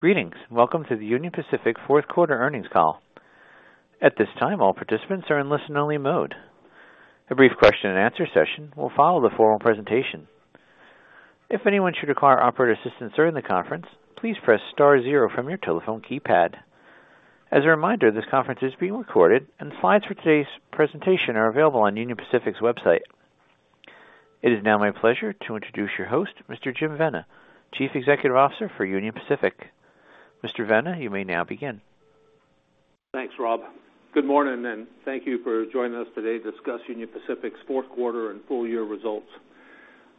Greetings. Welcome to the Union Pacific fourth quarter earnings call. At this time, all participants are in listen-only mode. A brief question-and-answer session will follow the formal presentation. If anyone should require operator assistance during the conference, please press star zero from your telephone keypad. As a reminder, this conference is being recorded, and slides for today's presentation are available on Union Pacific's website. It is now my pleasure to introduce your host, Mr. Jim Vena, Chief Executive Officer for Union Pacific. Mr. Vena, you may now begin. Thanks, Rob. Good morning, and thank you for joining us today to discuss Union Pacific's fourth quarter and full year results.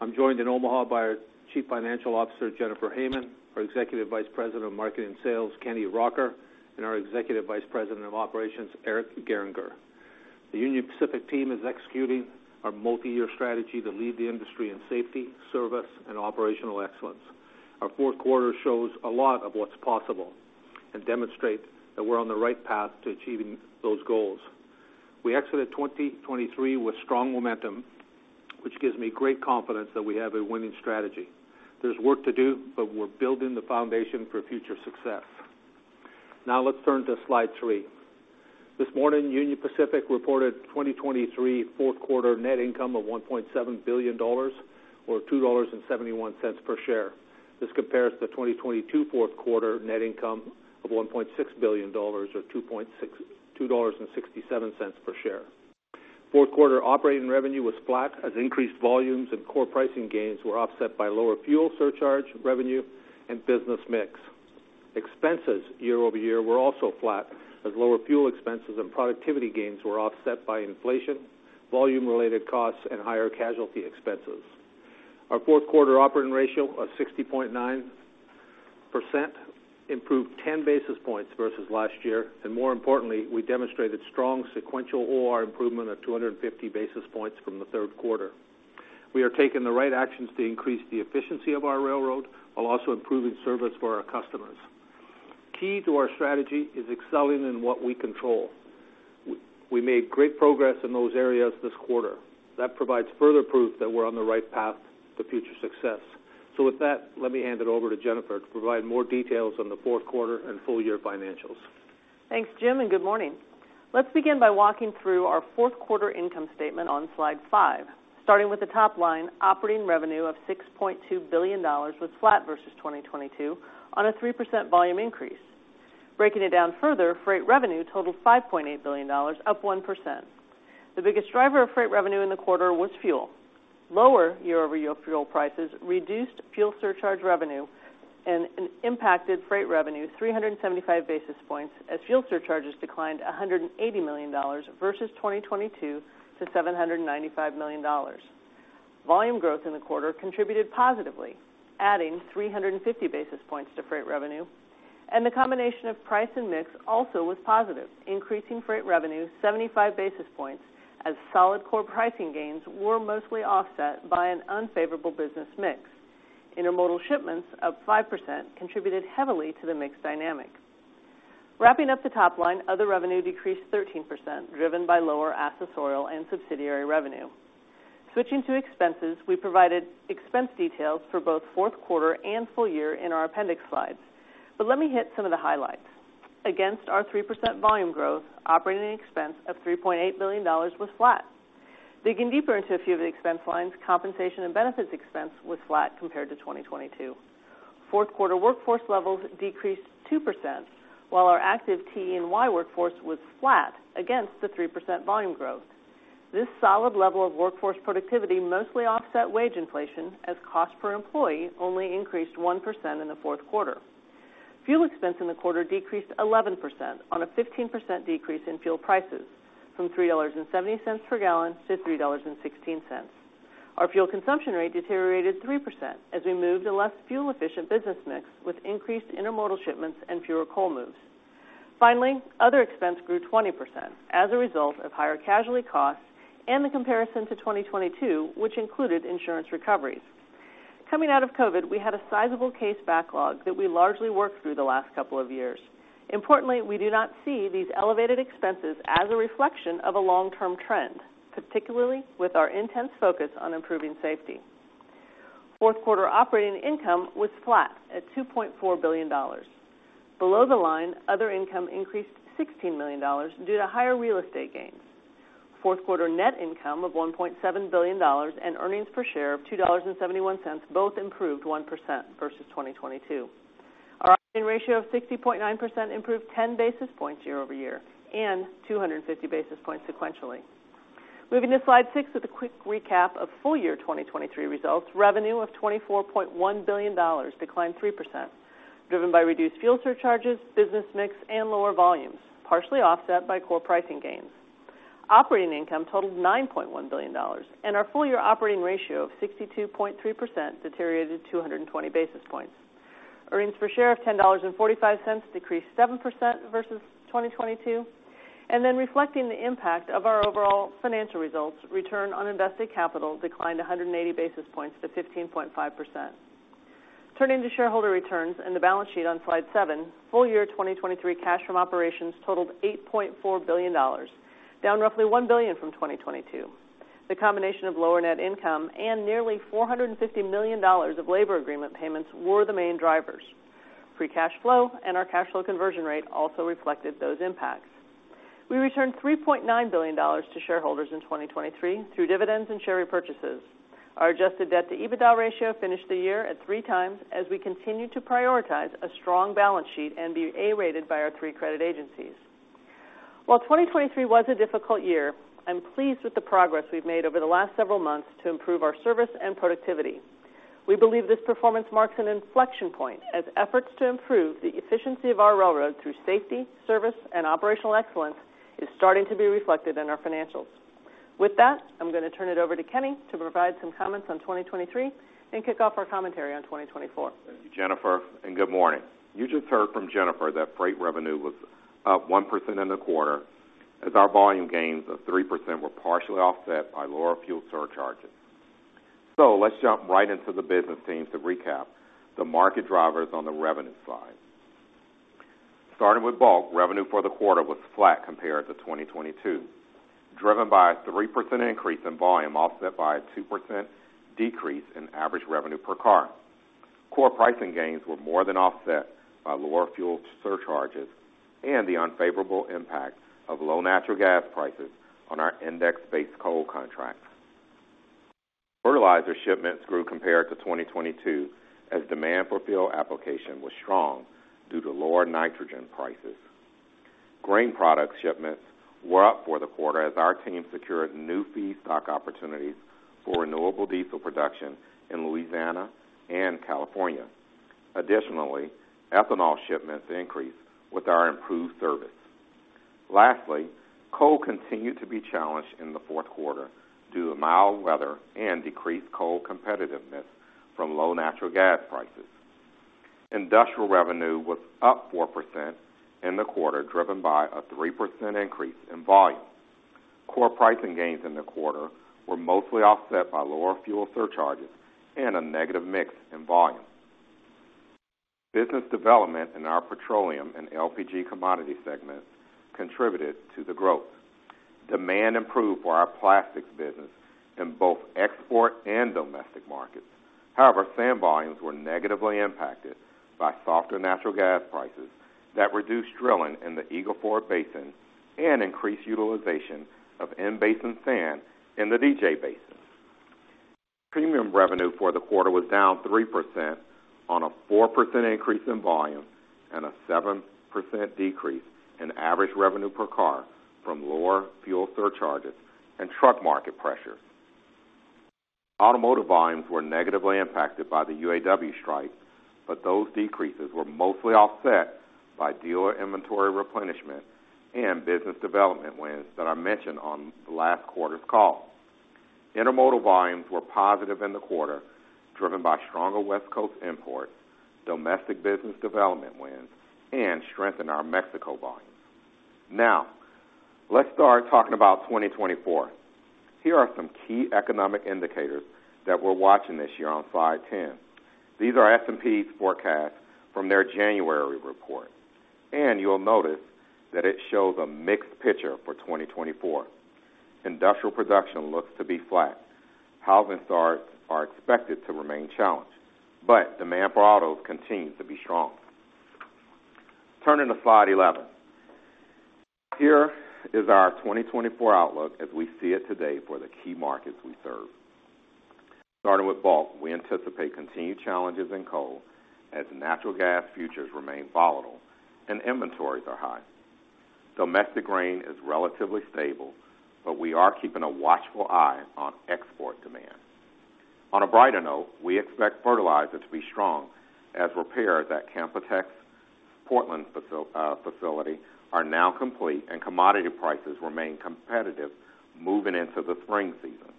I'm joined in Omaha by our Chief Financial Officer, Jennifer Hamann, our Executive Vice President of Marketing and Sales, Kenny Rocker, and our Executive Vice President of Operations, Eric Gehringer. The Union Pacific team is executing our multi-year strategy to lead the industry in safety, service, and operational excellence. Our fourth quarter shows a lot of what's possible and demonstrates that we're on the right path to achieving those goals. We exited 2023 with strong momentum, which gives me great confidence that we have a winning strategy. There's work to do, but we're building the foundation for future success. Now let's turn to slide three. This morning, Union Pacific reported 2023 fourth quarter net income of $1.7 billion, or $2.71 per share. This compares to the 2022 fourth quarter net income of $1.6 billion, or $2.67 per share. Fourth quarter operating revenue was flat, as increased volumes and core pricing gains were offset by lower fuel surcharge revenue and business mix. Expenses year-over-year were also flat, as lower fuel expenses and productivity gains were offset by inflation, volume-related costs, and higher casualty expenses. Our fourth quarter operating ratio of 60.9% improved 10 basis points versus last year, and more importantly, we demonstrated strong sequential OR improvement of 250 basis points from the third quarter. We are taking the right actions to increase the efficiency of our railroad while also improving service for our customers. Key to our strategy is excelling in what we control. We made great progress in those areas this quarter. That provides further proof that we're on the right path to future success. With that, let me hand it over to Jennifer to provide more details on the fourth quarter and full year financials. Thanks, Jim, and good morning. Let's begin by walking through our fourth quarter income statement on slide five. Starting with the top line, operating revenue of $6.2 billion was flat versus 2022 on a 3% volume increase. Breaking it down further, freight revenue totaled $5.8 billion, up 1%. The biggest driver of freight revenue in the quarter was fuel. Lower year-over-year fuel prices reduced fuel surcharge revenue and impacted freight revenue 375 basis points, as fuel surcharges declined $180 million versus 2022 to $795 million. Volume growth in the quarter contributed positively, adding 350 basis points to freight revenue, and the combination of price and mix also was positive, increasing freight revenue 75 basis points as solid core pricing gains were mostly offset by an unfavorable business mix. Intermodal shipments of 5% contributed heavily to the mix dynamic. Wrapping up the top line, other revenue decreased 13%, driven by lower accessorial and subsidiary revenue. Switching to expenses, we provided expense details for both fourth quarter and full year in our appendix slides. But let me hit some of the highlights. Against our 3% volume growth, operating expense of $3.8 billion was flat. Digging deeper into a few of the expense lines, compensation and benefits expense was flat compared to 2022. Fourth quarter workforce levels decreased 2%, while our active T&Y workforce was flat against the 3% volume growth. This solid level of workforce productivity mostly offset wage inflation, as cost per employee only increased 1% in the fourth quarter. Fuel expense in the quarter decreased 11% on a 15% decrease in fuel prices from $3.70 per gallon to $3.16. Our fuel consumption rate deteriorated 3% as we moved a less fuel-efficient business mix with increased intermodal shipments and fewer coal moves. Finally, other expense grew 20% as a result of higher casualty costs and the comparison to 2022, which included insurance recoveries. Coming out of COVID, we had a sizable case backlog that we largely worked through the last couple of years. Importantly, we do not see these elevated expenses as a reflection of a long-term trend, particularly with our intense focus on improving safety. Fourth quarter operating income was flat at $2.4 billion. Below the line, other income increased $16 million due to higher real estate gains. Fourth quarter net income of $1.7 billion and earnings per share of $2.71 both improved 1% versus 2022. Our operating ratio of 60.9% improved 10 basis points year-over-year and 250 basis points sequentially. Moving to slide six with a quick recap of full year 2023 results, revenue of $24.1 billion declined 3%, driven by reduced fuel surcharges, business mix, and lower volumes, partially offset by core pricing gains. Operating income totaled $9.1 billion, and our full-year operating ratio of 62.3% deteriorated 220 basis points. Earnings per share of $10.45 decreased 7% versus 2022. Reflecting the impact of our overall financial results, return on invested capital declined 180 basis points to 15.5%. Turning to shareholder returns and the balance sheet on slide seven, full-year 2023 cash from operations totaled $8.4 billion, down roughly $1 billion from 2022. The combination of lower net income and nearly $450 million of labor agreement payments were the main drivers. Free cash flow and our cash flow conversion rate also reflected those impacts. We returned $3.9 billion to shareholders in 2023 through dividends and share repurchases. Our Adjusted Debt to EBITDA ratio finished the year at 3x, as we continued to prioritize a strong balance sheet and be A-rated by our three credit agencies. While 2023 was a difficult year, I'm pleased with the progress we've made over the last several months to improve our service and productivity. We believe this performance marks an inflection point, as efforts to improve the efficiency of our railroad through safety, service, and operational excellence is starting to be reflected in our financials. With that, I'm gonna turn it over to Kenny to provide some comments on 2023 and kick off our commentary on 2024. Thank you, Jennifer, and good morning. You just heard from Jennifer that freight revenue was up 1% in the quarter, as our volume gains of 3% were partially offset by lower fuel surcharges. So let's jump right into the business themes to recap the market drivers on the revenue side. Starting with bulk, revenue for the quarter was flat compared to 2022, driven by a 3% increase in volume, offset by a 2% decrease in average revenue per car. Core pricing gains were more than offset by lower fuel surcharges and the unfavorable impact of low natural gas prices on our index-based coal contracts. Fertilizer shipments grew compared to 2022, as demand for fuel application was strong due to lower nitrogen prices. Grain product shipments were up for the quarter as our team secured new feedstock opportunities for renewable diesel production in Louisiana and California. Additionally, ethanol shipments increased with our improved service. Lastly, coal continued to be challenged in the fourth quarter due to mild weather and decreased coal competitiveness from low natural gas prices. Industrial revenue was up 4% in the quarter, driven by a 3% increase in volume. Core pricing gains in the quarter were mostly offset by lower fuel surcharges and a negative mix in volume. Business development in our petroleum and LPG commodity segments contributed to the growth. Demand improved for our plastics business in both export and domestic markets. However, sand volumes were negatively impacted by softer natural gas prices that reduced drilling in the Eagle Ford Basin and increased utilization of in-basin sand in the DJ Basin. Premium revenue for the quarter was down 3% on a 4% increase in volume and a 7% decrease in average revenue per car from lower fuel surcharges and truck market pressure. Automotive volumes were negatively impacted by the UAW strike, but those decreases were mostly offset by dealer inventory replenishment and business development wins that I mentioned on the last quarter's call. Intermodal volumes were positive in the quarter, driven by stronger West Coast imports, domestic business development wins, and strength in our Mexico volumes. Now, let's start talking about 2024. Here are some key economic indicators that we're watching this year on slide 10. These are S&P's forecasts from their January report, and you'll notice that it shows a mixed picture for 2024. Industrial production looks to be flat. Housing starts are expected to remain challenged, but demand for autos continues to be strong. Turning to slide 11. Here is our 2024 outlook as we see it today for the key markets we serve. Starting with bulk, we anticipate continued challenges in coal as natural gas futures remain volatile and inventories are high. Domestic grain is relatively stable, but we are keeping a watchful eye on export demand. On a brighter note, we expect fertilizer to be strong as repairs at Canpotex Portland facility are now complete, and commodity prices remain competitive moving into the spring season.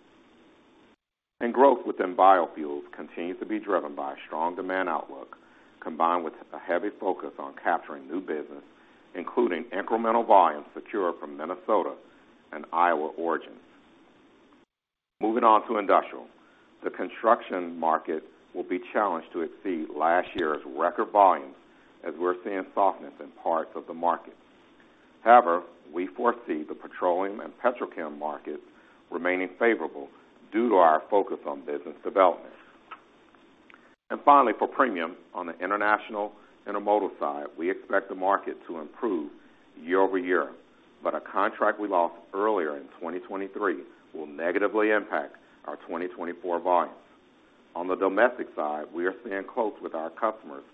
And growth within biofuels continues to be driven by a strong demand outlook, combined with a heavy focus on capturing new business, including incremental volumes secured from Minnesota and Iowa origins. Moving on to industrial, the construction market will be challenged to exceed last year's record volumes, as we're seeing softness in parts of the market. However, we foresee the petroleum and petrochem markets remaining favorable due to our focus on business development. Finally, for premium, on the international intermodal side, we expect the market to improve year-over-year, but a contract we lost earlier in 2023 will negatively impact our 2024 volumes. On the domestic side, we are staying close with our customers,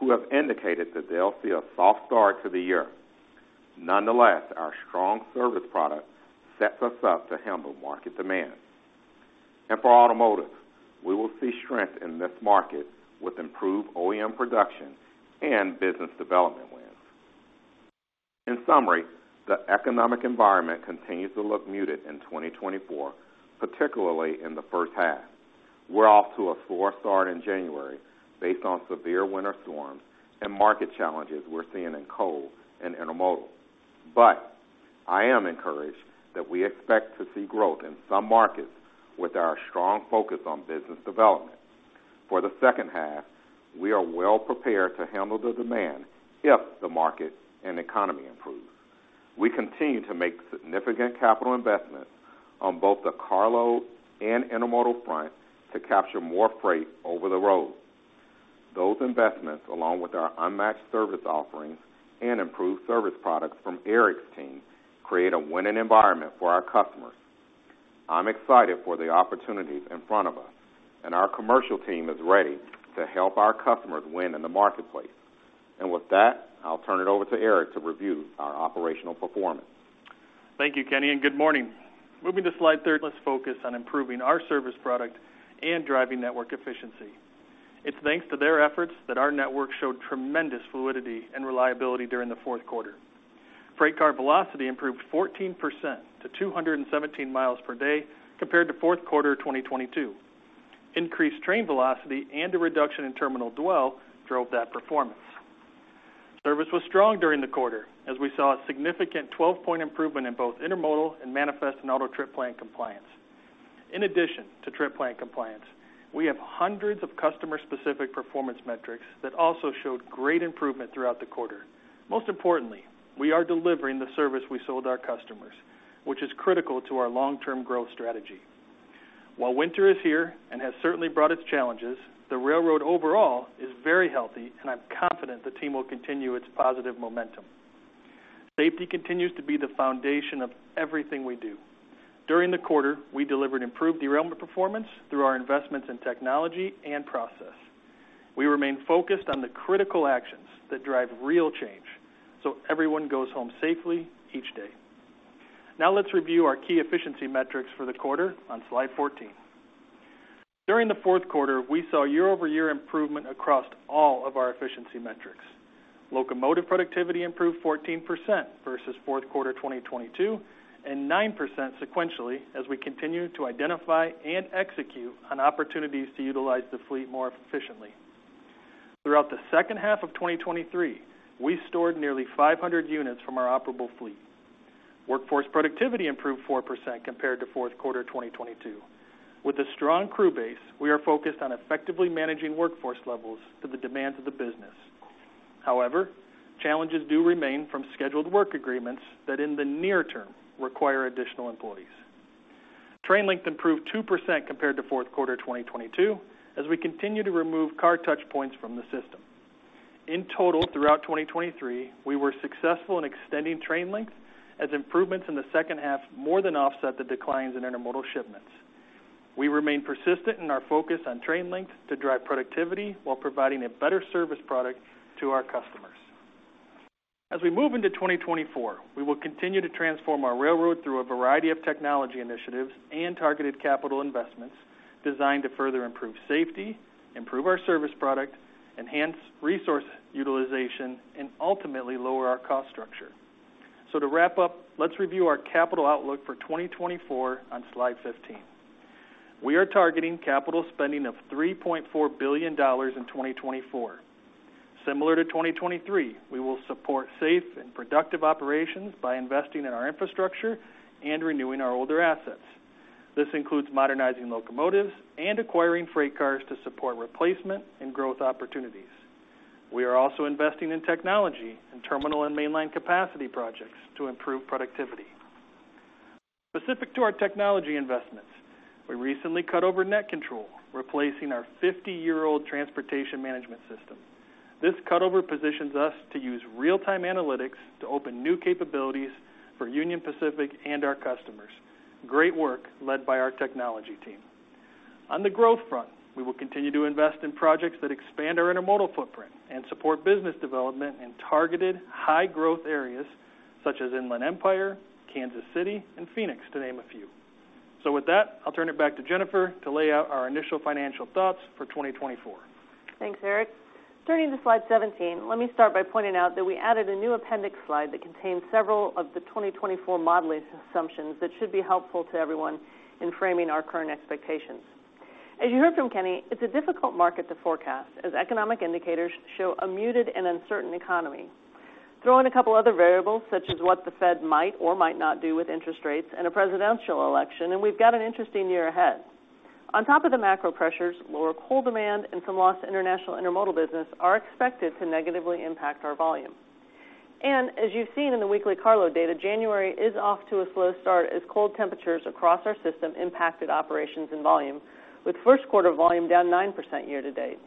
who have indicated that they'll see a soft start to the year. Nonetheless, our strong service product sets us up to handle market demand. For automotive, we will see strength in this market with improved OEM production and business development wins. In summary, the economic environment continues to look muted in 2024, particularly in the first half. We're off to a slow start in January based on severe winter storms and market challenges we're seeing in coal and intermodal. But I am encouraged that we expect to see growth in some markets with our strong focus on business development.... For the second half, we are well-prepared to handle the demand if the market and economy improve. We continue to make significant capital investments on both the carload and intermodal front to capture more freight over the road. Those investments, along with our unmatched service offerings and improved service products from Eric's team, create a winning environment for our customers. I'm excited for the opportunities in front of us, and our commercial team is ready to help our customers win in the marketplace. With that, I'll turn it over to Eric to review our operational performance. Thank you, Kenny, and good morning. Moving to Slide 13, let's focus on improving our service product and driving network efficiency. It's thanks to their efforts that our network showed tremendous fluidity and reliability during the fourth quarter. Freight car velocity improved 14% to 217 mi per day compared to fourth quarter of 2022. Increased train velocity and a reduction in terminal dwell drove that performance. Service was strong during the quarter, as we saw a significant 12-point improvement in both intermodal and manifest and auto trip plan compliance. In addition to trip plan compliance, we have hundreds of customer-specific performance metrics that also showed great improvement throughout the quarter. Most importantly, we are delivering the service we sold our customers, which is critical to our long-term growth strategy. While winter is here and has certainly brought its challenges, the railroad overall is very healthy, and I'm confident the team will continue its positive momentum. Safety continues to be the foundation of everything we do. During the quarter, we delivered improved derailment performance through our investments in technology and process. We remain focused on the critical actions that drive real change, so everyone goes home safely each day. Now let's review our key efficiency metrics for the quarter on Slide 14. During the fourth quarter, we saw year-over-year improvement across all of our efficiency metrics. Locomotive productivity improved 14% versus fourth quarter 2022, and 9% sequentially, as we continued to identify and execute on opportunities to utilize the fleet more efficiently. Throughout the second half of 2023, we stored nearly 500 units from our operable fleet. Workforce productivity improved 4% compared to fourth quarter 2022. With a strong crew base, we are focused on effectively managing workforce levels to the demands of the business. However, challenges do remain from scheduled work agreements that, in the near term, require additional employees. Train length improved 2% compared to fourth quarter 2022, as we continue to remove car touchpoints from the system. In total, throughout 2023, we were successful in extending train length, as improvements in the second half more than offset the declines in intermodal shipments. We remain persistent in our focus on train length to drive productivity while providing a better service product to our customers. As we move into 2024, we will continue to transform our railroad through a variety of technology initiatives and targeted capital investments designed to further improve safety, improve our service product, enhance resource utilization, and ultimately, lower our cost structure. So to wrap up, let's review our capital outlook for 2024 on Slide 15. We are targeting capital spending of $3.4 billion in 2024. Similar to 2023, we will support safe and productive operations by investing in our infrastructure and renewing our older assets. This includes modernizing locomotives and acquiring freight cars to support replacement and growth opportunities. We are also investing in technology and terminal and mainline capacity projects to improve productivity. Specific to our technology investments, we recently cut over NetControl, replacing our 50-year-old transportation management system. This cutover positions us to use real-time analytics to open new capabilities for Union Pacific and our customers. Great work led by our technology team. On the growth front, we will continue to invest in projects that expand our intermodal footprint and support business development in targeted, high-growth areas such as Inland Empire, Kansas City, and Phoenix, to name a few. So with that, I'll turn it back to Jennifer to lay out our initial financial thoughts for 2024. Thanks, Eric. Turning to Slide 17, let me start by pointing out that we added a new appendix slide that contains several of the 2024 modeling assumptions that should be helpful to everyone in framing our current expectations. As you heard from Kenny, it's a difficult market to forecast, as economic indicators show a muted and uncertain economy. Throw in a couple other variables, such as what the Fed might or might not do with interest rates and a presidential election, and we've got an interesting year ahead. On top of the macro pressures, lower coal demand and some lost international intermodal business are expected to negatively impact our volume. As you've seen in the weekly carload data, January is off to a slow start as cold temperatures across our system impacted operations and volume, with first quarter volume down 9% year to date.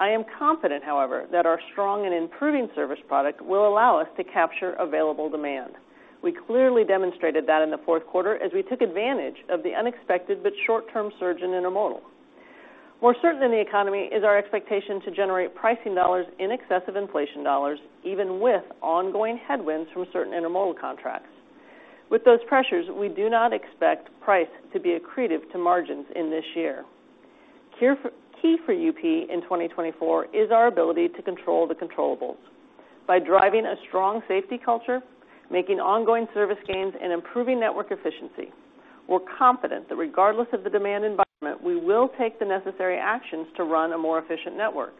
I am confident, however, that our strong and improving service product will allow us to capture available demand. We clearly demonstrated that in the fourth quarter as we took advantage of the unexpected but short-term surge in intermodal. More certain than the economy is our expectation to generate pricing dollars in excess of inflation dollars, even with ongoing headwinds from certain intermodal contracts. With those pressures, we do not expect price to be accretive to margins in this year. Key for UP in 2024 is our ability to control the controllables. By driving a strong safety culture, making ongoing service gains, and improving network efficiency, we're confident that regardless of the demand environment, we will take the necessary actions to run a more efficient network.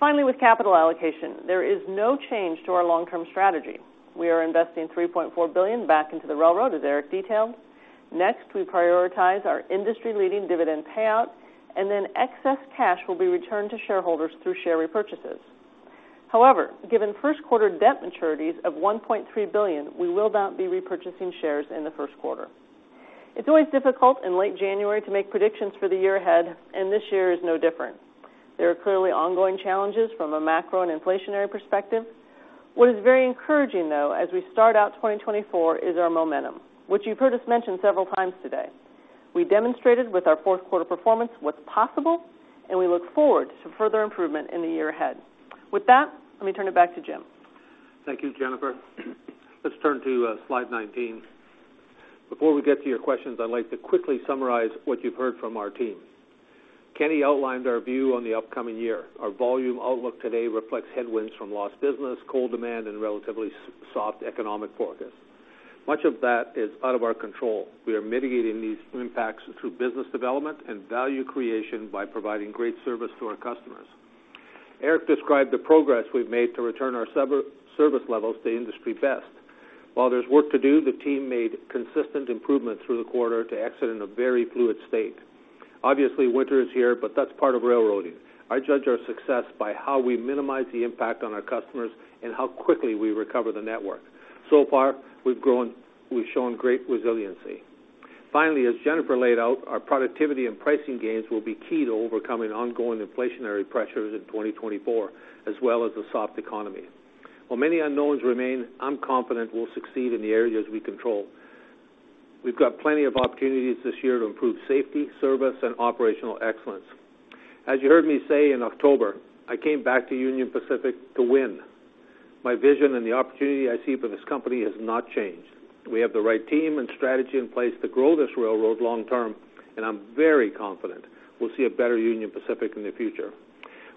Finally, with capital allocation, there is no change to our long-term strategy. We are investing $3.4 billion back into the railroad, as Eric detailed. Next, we prioritize our industry-leading dividend payout, and then excess cash will be returned to shareholders through share repurchases. However, given first quarter debt maturities of $1.3 billion, we will not be repurchasing shares in the first quarter. It's always difficult in late January to make predictions for the year ahead, and this year is no different. There are clearly ongoing challenges from a macro and inflationary perspective. What is very encouraging, though, as we start out 2024, is our momentum, which you've heard us mention several times today. We demonstrated with our fourth quarter performance what's possible, and we look forward to further improvement in the year ahead. With that, let me turn it back to Jim. Thank you, Jennifer. Let's turn to slide 19. Before we get to your questions, I'd like to quickly summarize what you've heard from our team. Kenny outlined our view on the upcoming year. Our volume outlook today reflects headwinds from lost business, coal demand, and relatively soft economic forecast. Much of that is out of our control. We are mitigating these impacts through business development and value creation by providing great service to our customers. Eric described the progress we've made to return our service levels to industry best. While there's work to do, the team made consistent improvements through the quarter to exit in a very fluid state. Obviously, winter is here, but that's part of railroading. I judge our success by how we minimize the impact on our customers and how quickly we recover the network. So far, we've shown great resiliency. Finally, as Jennifer laid out, our productivity and pricing gains will be key to overcoming ongoing inflationary pressures in 2024, as well as the soft economy. While many unknowns remain, I'm confident we'll succeed in the areas we control. We've got plenty of opportunities this year to improve safety, service, and operational excellence. As you heard me say in October, I came back to Union Pacific to win. My vision and the opportunity I see for this company has not changed. We have the right team and strategy in place to grow this railroad long term, and I'm very confident we'll see a better Union Pacific in the future.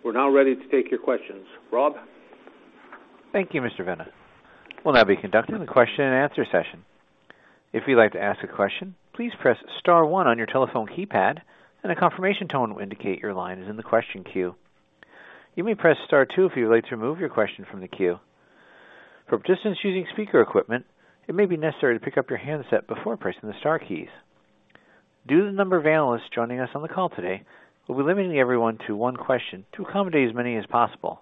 We're now ready to take your questions. Rob? Thank you, Mr. Vena. We'll now be conducting the question and answer session. If you'd like to ask a question, please press star one on your telephone keypad, and a confirmation tone will indicate your line is in the question queue. You may press star two if you'd like to remove your question from the queue. For participants using speaker equipment, it may be necessary to pick up your handset before pressing the star keys. Due to the number of analysts joining us on the call today, we'll be limiting everyone to one question to accommodate as many as possible.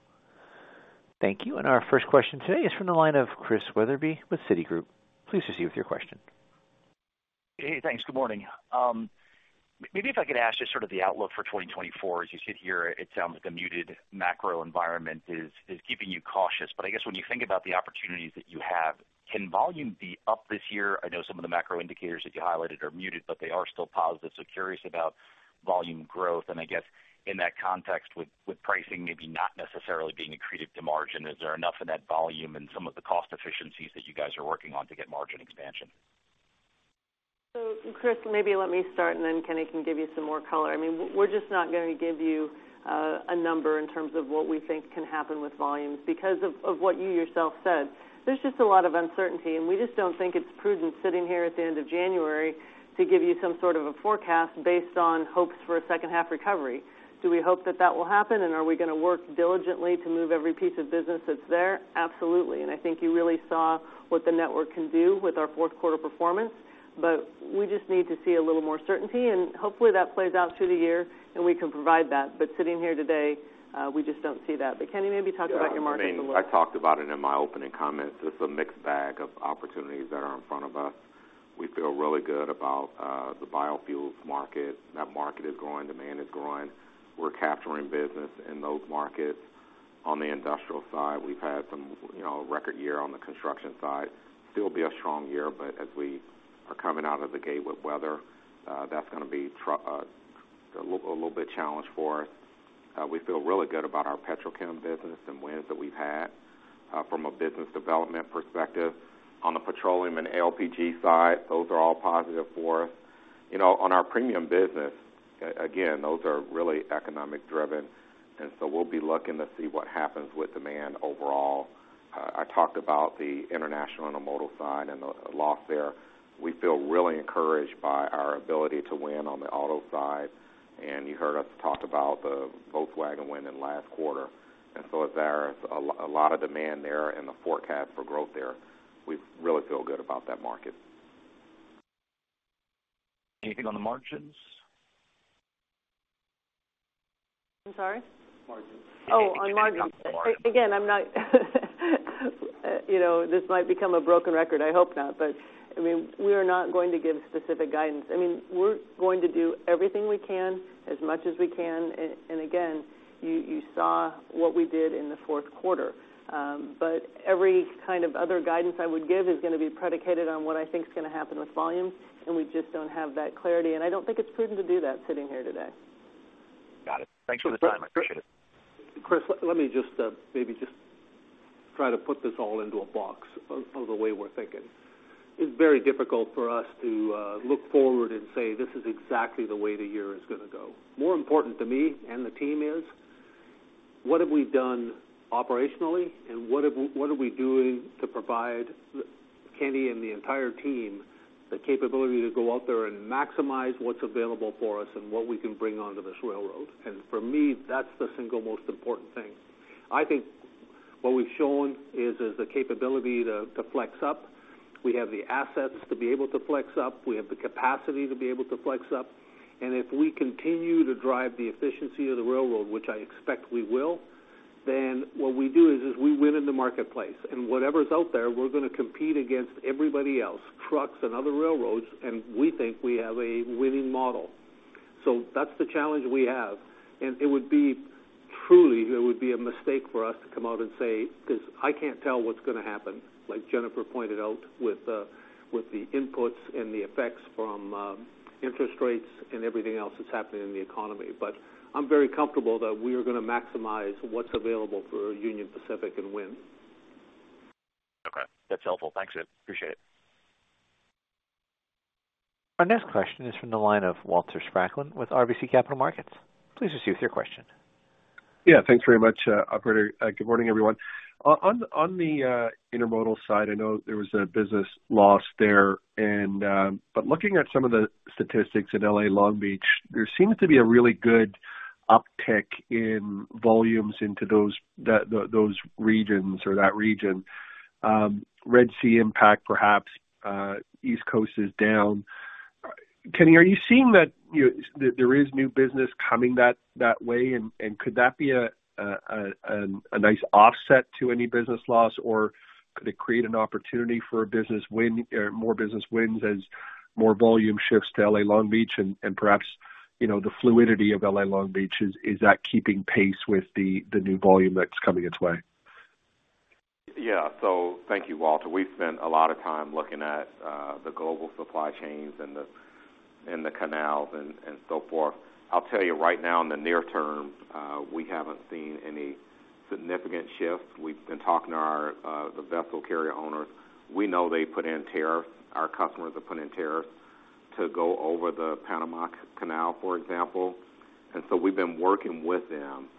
Thank you, and our first question today is from the line of Chris Wetherbee with Citigroup. Please proceed with your question. Hey, thanks. Good morning. Maybe if I could ask just sort of the outlook for 2024. As you sit here, it sounds like the muted macro environment is keeping you cautious. But I guess when you think about the opportunities that you have, can volume be up this year? I know some of the macro indicators that you highlighted are muted, but they are still positive, so curious about volume growth. And I guess, in that context, with pricing maybe not necessarily being accretive to margin, is there enough in that volume and some of the cost efficiencies that you guys are working on to get margin expansion? So, Chris, maybe let me start, and then Kenny can give you some more color. I mean, we're just not going to give you a number in terms of what we think can happen with volumes because of what you yourself said. There's just a lot of uncertainty, and we just don't think it's prudent, sitting here at the end of January, to give you some sort of a forecast based on hopes for a second half recovery. Do we hope that that will happen, and are we gonna work diligently to move every piece of business that's there? Absolutely, and I think you really saw what the network can do with our fourth quarter performance. But we just need to see a little more certainty, and hopefully, that plays out through the year, and we can provide that. But sitting here today, we just don't see that. But Kenny, maybe talk about your market as well. Yeah, I mean, I talked about it in my opening comments. It's a mixed bag of opportunities that are in front of us. We feel really good about the biofuels market. That market is growing, demand is growing. We're capturing business in those markets. On the industrial side, we've had some, you know, a record year on the construction side. Still be a strong year, but as we are coming out of the gate with weather, that's gonna be a little bit challenged for us. We feel really good about our petrochem business and wins that we've had from a business development perspective. On the petroleum and LPG side, those are all positive for us. You know, on our premium business, again, those are really economic driven, and so we'll be looking to see what happens with demand overall. I talked about the international intermodal side and the loss there. We feel really encouraged by our ability to win on the auto side, and you heard us talk about the Volkswagen win in last quarter, and so there is a lot of demand there and the forecast for growth there. We really feel good about that market. Anything on the margins? I'm sorry? Margins. Oh, on margins. Again, I'm not. You know, this might become a broken record. I hope not, but, I mean, we are not going to give specific guidance. I mean, we're going to do everything we can, as much as we can, and, and again, you, you saw what we did in the fourth quarter. But every kind of other guidance I would give is gonna be predicated on what I think is gonna happen with volume, and we just don't have that clarity, and I don't think it's prudent to do that sitting here today. Got it. Thanks for the time. Appreciate it. Chris, let me just maybe just try to put this all into a box of the way we're thinking. It's very difficult for us to look forward and say, "This is exactly the way the year is gonna go." More important to me and the team is, what have we done operationally, and what are we doing to provide Kenny and the entire team the capability to go out there and maximize what's available for us and what we can bring onto this railroad? And for me, that's the single most important thing. I think what we've shown is the capability to flex up. We have the assets to be able to flex up. We have the capacity to be able to flex up. And if we continue to drive the efficiency of the railroad, which I expect we will, then what we do is, is we win in the marketplace, and whatever's out there, we're gonna compete against everybody else, trucks and other railroads, and we think we have a winning model. So that's the challenge we have. And it would be, truly, it would be a mistake for us to come out and say, because I can't tell what's gonna happen, like Jennifer pointed out, with, with the inputs and the effects from, interest rates and everything else that's happening in the economy. But I'm very comfortable that we are gonna maximize what's available for Union Pacific and win. Okay, that's helpful. Thanks, Jim. Appreciate it. Our next question is from the line of Walter Spracklin with RBC Capital Markets. Please proceed with your question. Yeah, thanks very much, operator. Good morning, everyone. On the intermodal side, I know there was a business loss there, and, but looking at some of the statistics in L.A. Long Beach, there seems to be a really good uptick in volumes into those regions or that region. Red Sea impact, perhaps, East Coast is down. Kenny, are you seeing that there is new business coming that way, and could that be a nice offset to any business loss, or could it create an opportunity for a business win or more business wins as more volume shifts to L.A. Long Beach and, perhaps, you know, the fluidity of L.A. Long Beach, is that keeping pace with the new volume that's coming its way? Yeah. So thank you, Walter. We've spent a lot of time looking at the global supply chains and the, and the canals and, and so forth. I'll tell you right now, in the near term, we haven't seen any significant shifts. We've been talking to our the vessel carrier owners. We know they put in tariffs. Our customers have put in tariffs to go over the Panama Canal, for example. And so we've been working with them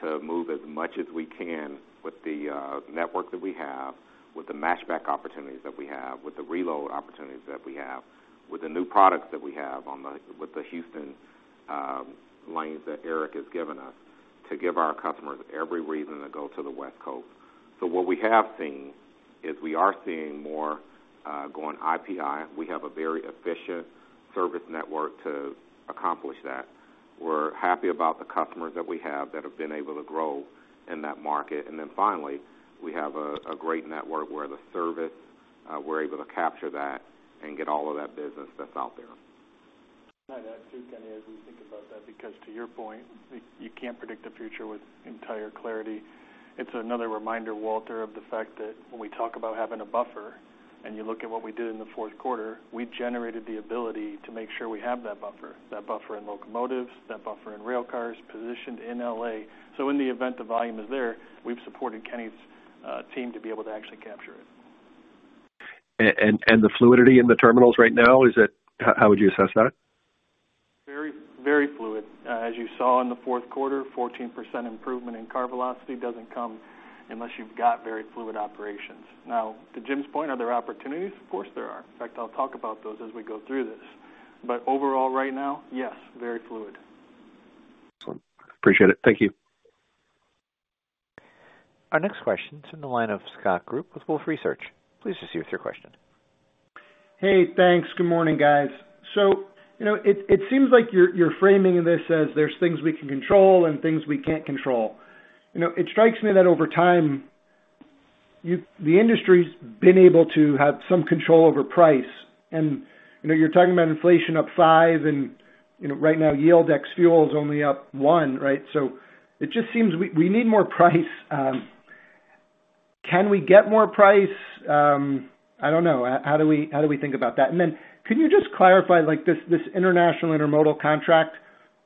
to move as much as we can with the network that we have, with the match back opportunities that we have, with the reload opportunities that we have, with the new products that we have on the- with the Houston lanes that Eric has given us to give our customers every reason to go to the West Coast. So what we have seen is we are seeing more going IPI. We have a very efficient service network to accomplish that. We're happy about the customers that we have that have been able to grow in that market. And then finally, we have a great network where the service we're able to capture that and get all of that business that's out there. Can I add, too, Kenny, as we think about that, because to your point, you can't predict the future with entire clarity. It's another reminder, Walter, of the fact that when we talk about having a buffer and you look at what we did in the fourth quarter, we generated the ability to make sure we have that buffer, that buffer in locomotives, that buffer in railcars positioned in L.A. So in the event the volume is there, we've supported Kenny's team to be able to actually capture it. And the fluidity in the terminals right now, is it, how would you assess that? Very, very fluid. As you saw in the fourth quarter, 14% improvement in car velocity doesn't come unless you've got very fluid operations. Now, to Jim's point, are there opportunities? Of course, there are. In fact, I'll talk about those as we go through this. But overall, right now, yes, very fluid. Excellent. Appreciate it. Thank you. Our next question is in the line of Scott Group with Wolfe Research. Please proceed with your question. Hey, thanks. Good morning, guys. So you know, it seems like you're framing this as there's things we can control and things we can't control. You know, it strikes me that over time, you the industry's been able to have some control over price, and, you know, you're talking about inflation up 5, and, you know, right now, yield ex fuels only up 1, right? So it just seems we need more price. Can we get more price? I don't know. How do we think about that? And then can you just clarify, like, this international intermodal contract,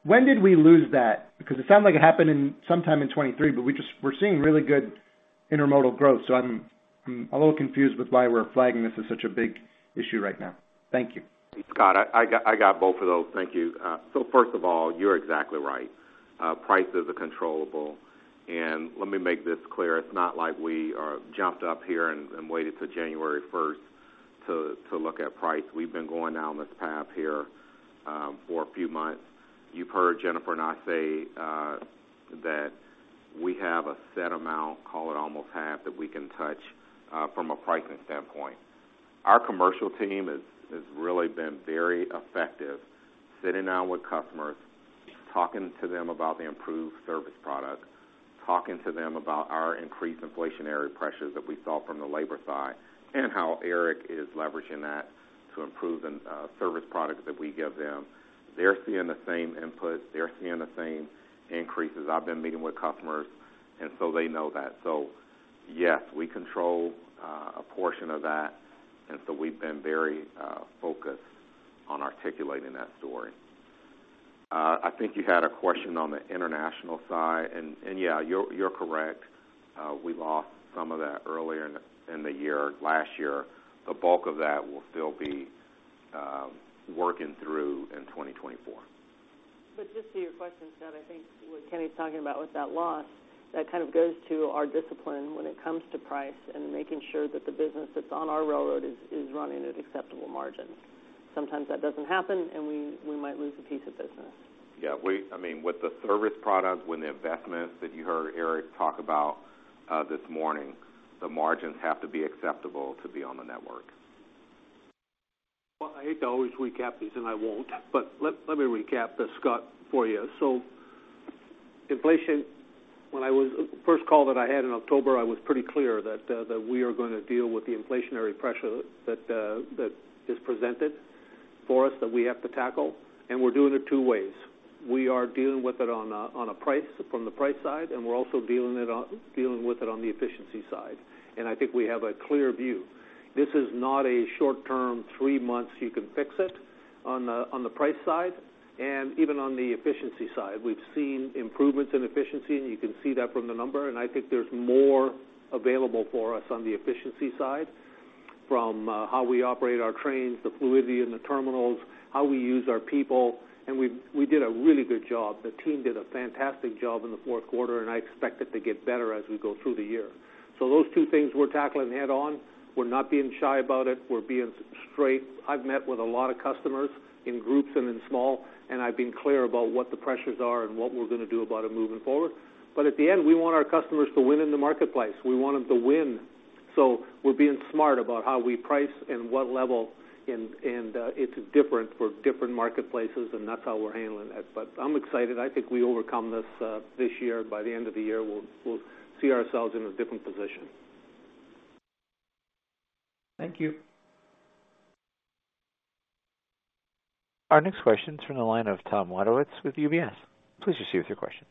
when did we lose that? Because it sounded like it happened sometime in 2023, but we're seeing really good intermodal growth, so I'm a little confused with why we're flagging this as such a big issue right now. Thank you. Scott, I got both of those. Thank you. So first of all, you're exactly right. Prices are controllable. Let me make this clear, it's not like we jumped up here and waited till January first to look at price. We've been going down this path here for a few months. You've heard Jennifer and I say that we have a set amount, call it almost half, that we can touch from a pricing standpoint. Our commercial team has really been very effective, sitting down with customers, talking to them about the improved service product, talking to them about our increased inflationary pressures that we saw from the labor side, and how Eric is leveraging that to improve the service products that we give them. They're seeing the same input, they're seeing the same increases. I've been meeting with customers, and so they know that. So yes, we control a portion of that, and so we've been very focused on articulating that story. I think you had a question on the international side, and yeah, you're correct. We lost some of that earlier in the year, last year. The bulk of that will still be working through in 2024.... But just to your question, Scott, I think what Kenny's talking about with that loss, that kind of goes to our discipline when it comes to price and making sure that the business that's on our railroad is, is running at acceptable margins. Sometimes that doesn't happen, and we, we might lose a piece of business. Yeah, we, I mean, with the service product, when the investments that you heard Eric talk about this morning, the margins have to be acceptable to be on the network. Well, I hate to always recap these, and I won't, but let me recap this, Scott, for you. So inflation, when I was first call that I had in October, I was pretty clear that we are gonna deal with the inflationary pressure that is presented for us, that we have to tackle, and we're doing it two ways. We are dealing with it on a price, from the price side, and we're also dealing with it on the efficiency side, and I think we have a clear view. This is not a short term, three months, you can fix it on the price side, and even on the efficiency side. We've seen improvements in efficiency, and you can see that from the number, and I think there's more available for us on the efficiency side, from how we operate our trains, the fluidity in the terminals, how we use our people, and we did a really good job. The team did a fantastic job in the fourth quarter, and I expect it to get better as we go through the year. So those two things we're tackling head on. We're not being shy about it. We're being straight. I've met with a lot of customers in groups and in small, and I've been clear about what the pressures are and what we're gonna do about it moving forward. But at the end, we want our customers to win in the marketplace. We want them to win. So we're being smart about how we price and what level, and it's different for different marketplaces, and that's how we're handling that. But I'm excited. I think we overcome this this year. By the end of the year, we'll see ourselves in a different position. Thank you. Our next question is from the line of Tom Wadewitz with UBS. Please proceed with your question.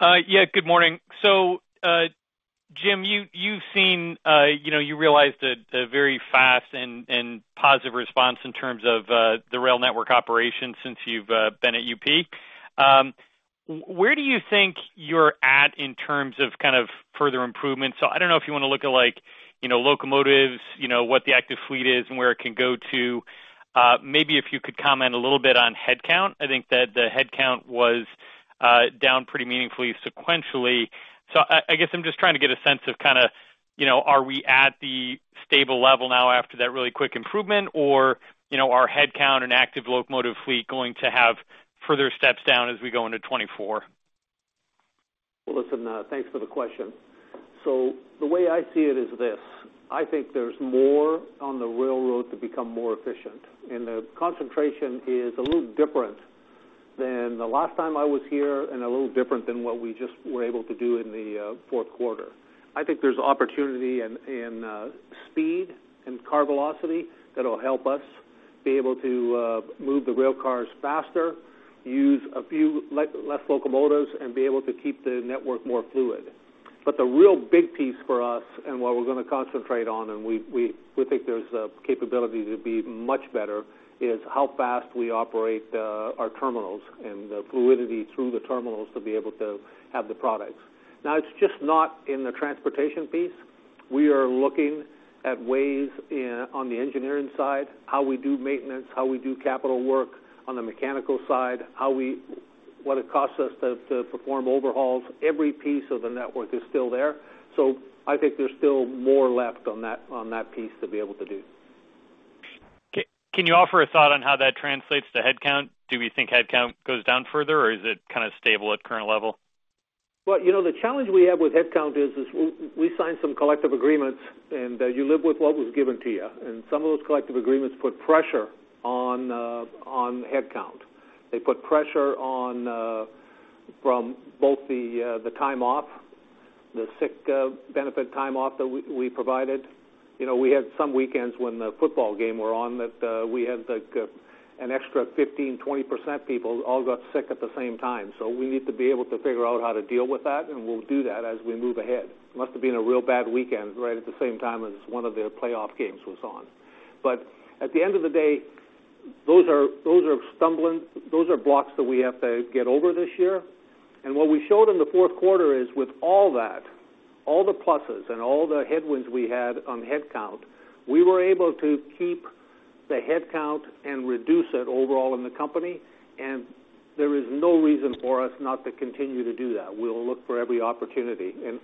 Yeah, good morning. So, Jim, you've seen, you know, you realized a very fast and positive response in terms of the rail network operation since you've been at UP. Where do you think you're at in terms of kind of further improvements? So I don't know if you want to look at, like, you know, locomotives, you know, what the active fleet is and where it can go to. Maybe if you could comment a little bit on headcount. I think that the headcount was down pretty meaningfully sequentially. So I guess I'm just trying to get a sense of kind of, you know, are we at the stable level now after that really quick improvement? Or, you know, are headcount and active locomotive fleet going to have further steps down as we go into 2024? Well, listen, thanks for the question. So the way I see it is this: I think there's more on the railroad to become more efficient, and the concentration is a little different than the last time I was here and a little different than what we just were able to do in the fourth quarter. I think there's opportunity in speed and car velocity that'll help us be able to move the rail cars faster, use a few less locomotives, and be able to keep the network more fluid. But the real big piece for us and what we're gonna concentrate on, and we think there's a capability to be much better, is how fast we operate our terminals and the fluidity through the terminals to be able to have the products. Now, it's just not in the transportation piece. We are looking at ways in, on the engineering side, how we do maintenance, how we do capital work, on the mechanical side, how we—what it costs us to, to perform overhauls. Every piece of the network is still there, so I think there's still more left on that, on that piece to be able to do. Can you offer a thought on how that translates to headcount? Do we think headcount goes down further, or is it kind of stable at current level? Well, you know, the challenge we have with headcount is we signed some collective agreements, and you live with what was given to you, and some of those collective agreements put pressure on headcount. They put pressure on from both the time off, the sick benefit time off that we provided. You know, we had some weekends when the football game were on, that we had, like, an extra 15-20% people all got sick at the same time. So we need to be able to figure out how to deal with that, and we'll do that as we move ahead. Must have been a real bad weekend right at the same time as one of their playoff games was on. But at the end of the day, those are blocks that we have to get over this year. And what we showed in the fourth quarter is with all that, all the pluses and all the headwinds we had on headcount, we were able to keep the headcount and reduce it overall in the company, and there is no reason for us not to continue to do that. We'll look for every opportunity. And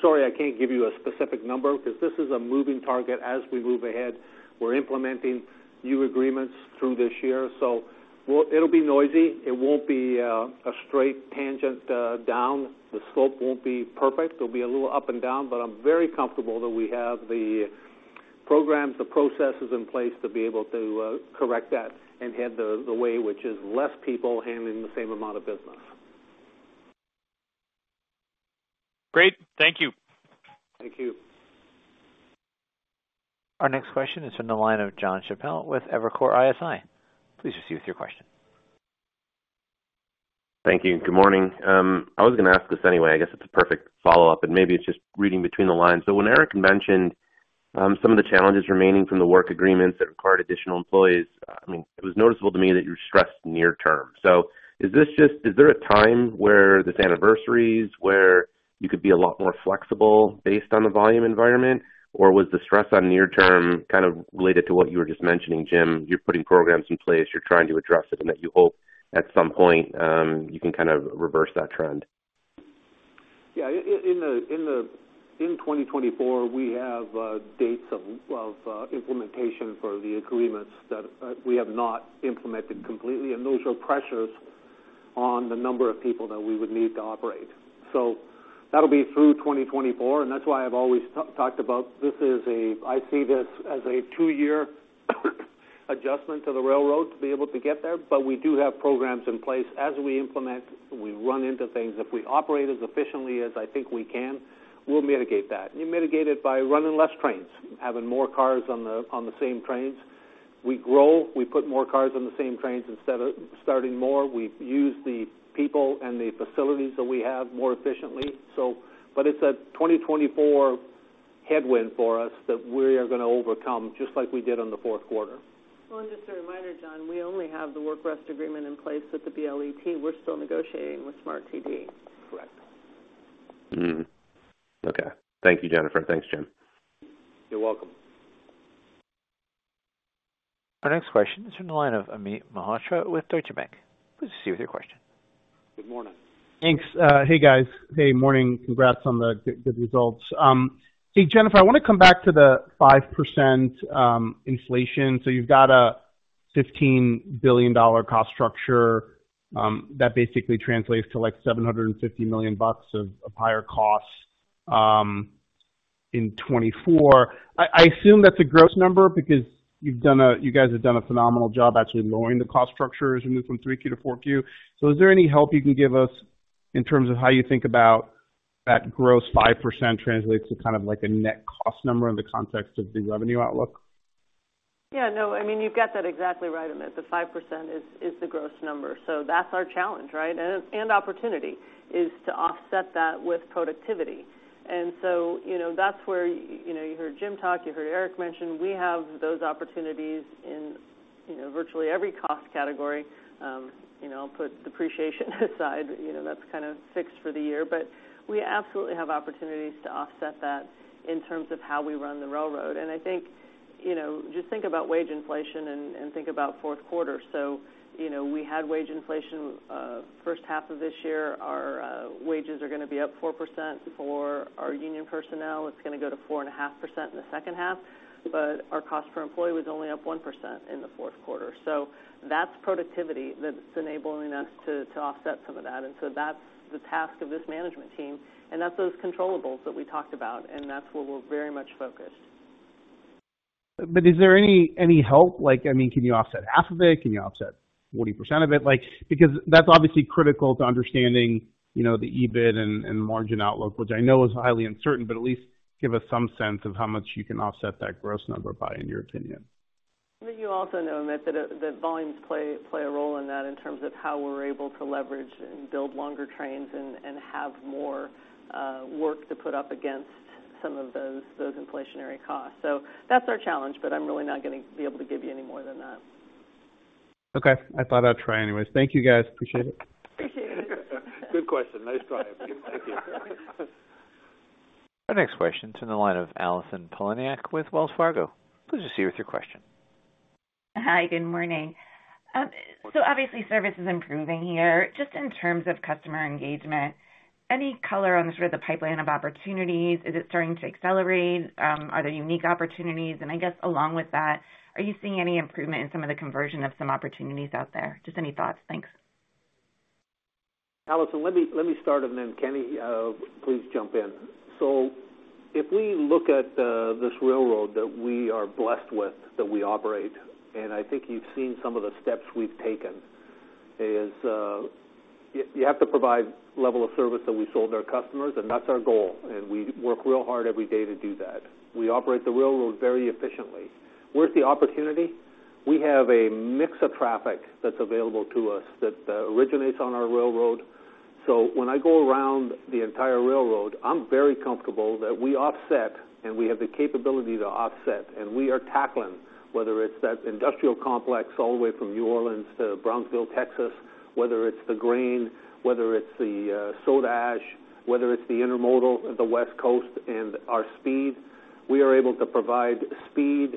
sorry, I can't give you a specific number because this is a moving target. As we move ahead, we're implementing new agreements through this year, so it'll be noisy. It won't be a straight tangent down. The slope won't be perfect. There'll be a little up and down, but I'm very comfortable that we have the programs, the processes in place to be able to correct that and head the way, which is less people handling the same amount of business. Great. Thank you. Thank you. Our next question is from the line of John Chappell with Evercore ISI. Please proceed with your question. Thank you. Good morning. I was gonna ask this anyway. I guess it's a perfect follow-up, and maybe it's just reading between the lines. So when Eric mentioned some of the challenges remaining from the work agreements that required additional employees, I mean, it was noticeable to me that you stressed near term. So is this just— is there a time where this anniversaries, where you could be a lot more flexible based on the volume environment? Or was the stress on near term kind of related to what you were just mentioning, Jim, you're putting programs in place, you're trying to address it, and that you hope at some point you can kind of reverse that trend?... Yeah, in 2024, we have dates of implementation for the agreements that we have not implemented completely, and those are pressures on the number of people that we would need to operate. So that'll be through 2024, and that's why I've always talked about this. I see this as a two-year adjustment to the railroad to be able to get there. But we do have programs in place. As we implement, we run into things. If we operate as efficiently as I think we can, we'll mitigate that. You mitigate it by running less trains, having more cars on the same trains. We grow, we put more cars on the same trains instead of starting more. We use the people and the facilities that we have more efficiently, so. It's a 2024 headwind for us that we are gonna overcome, just like we did in the fourth quarter. Well, and just a reminder, John, we only have the work rest agreement in place with the BLET. We're still negotiating with SMART-TD. Correct. Mm-hmm. Okay. Thank you, Jennifer. Thanks, Jim. You're welcome. Our next question is in the line of Amit Mehrotra with Deutsche Bank. Please proceed with your question. Good morning. Thanks. Hey, guys. Hey, morning. Congrats on the good results. Hey, Jennifer, I wanna come back to the 5% inflation. So you've got a $15 billion cost structure that basically translates to, like, $750 million of higher costs in 2024. I assume that's a gross number because you've done a—you guys have done a phenomenal job actually lowering the cost structure as you move from Q3 to Q4. So is there any help you can give us in terms of how you think about that gross 5% translates to kind of like a net cost number in the context of the revenue outlook? Yeah, no, I mean, you've got that exactly right, Amit. The 5% is the gross number. So that's our challenge, right? And opportunity is to offset that with productivity. And so, you know, that's where, you know, you heard Jim talk, you heard Eric mention, we have those opportunities in, you know, virtually every cost category. You know, put depreciation aside, you know, that's kind of fixed for the year. But we absolutely have opportunities to offset that in terms of how we run the railroad. And I think, you know, just think about wage inflation and think about fourth quarter. So, you know, we had wage inflation first half of this year. Our wages are gonna be up 4% for our union personnel. It's gonna go to 4.5% in the second half, but our cost per employee was only up 1% in the fourth quarter. So that's productivity that's enabling us to to offset some of that. And so that's the task of this management team, and that's those controllables that we talked about, and that's where we're very much focused. But is there any help? Like, I mean, can you offset half of it? Can you offset 40% of it? Like, because that's obviously critical to understanding, you know, the EBIT and margin outlook, which I know is highly uncertain, but at least give us some sense of how much you can offset that gross number by, in your opinion. But you also know, Amit, that volumes play a role in that in terms of how we're able to leverage and build longer trains and have more work to put up against some of those inflationary costs. So that's our challenge, but I'm really not gonna be able to give you any more than that. Okay. I thought I'd try anyways. Thank you, guys. Appreciate it. Appreciate it. Good question. Nice try. Our next question is in the line of Allison Poliniak with Wells Fargo. Please proceed with your question. Hi, good morning. So obviously, service is improving here. Just in terms of customer engagement, any color on sort of the pipeline of opportunities, is it starting to accelerate? Are there unique opportunities? And I guess along with that, are you seeing any improvement in some of the conversion of some opportunities out there? Just any thoughts. Thanks. Allison, let me start, and then Kenny, please jump in. So if we look at this railroad that we are blessed with, that we operate, and I think you've seen some of the steps we've taken, you have to provide level of service that we sold our customers, and that's our goal, and we work real hard every day to do that. We operate the railroad very efficiently. Where's the opportunity? We have a mix of traffic that's available to us that originates on our railroad. So when I go around the entire railroad, I'm very comfortable that we offset, and we have the capability to offset, and we are tackling, whether it's that industrial complex all the way from New Orleans to Brownsville, Texas, whether it's the grain, whether it's the soda ash, whether it's the intermodal, the West Coast, and our speed. We are able to provide speed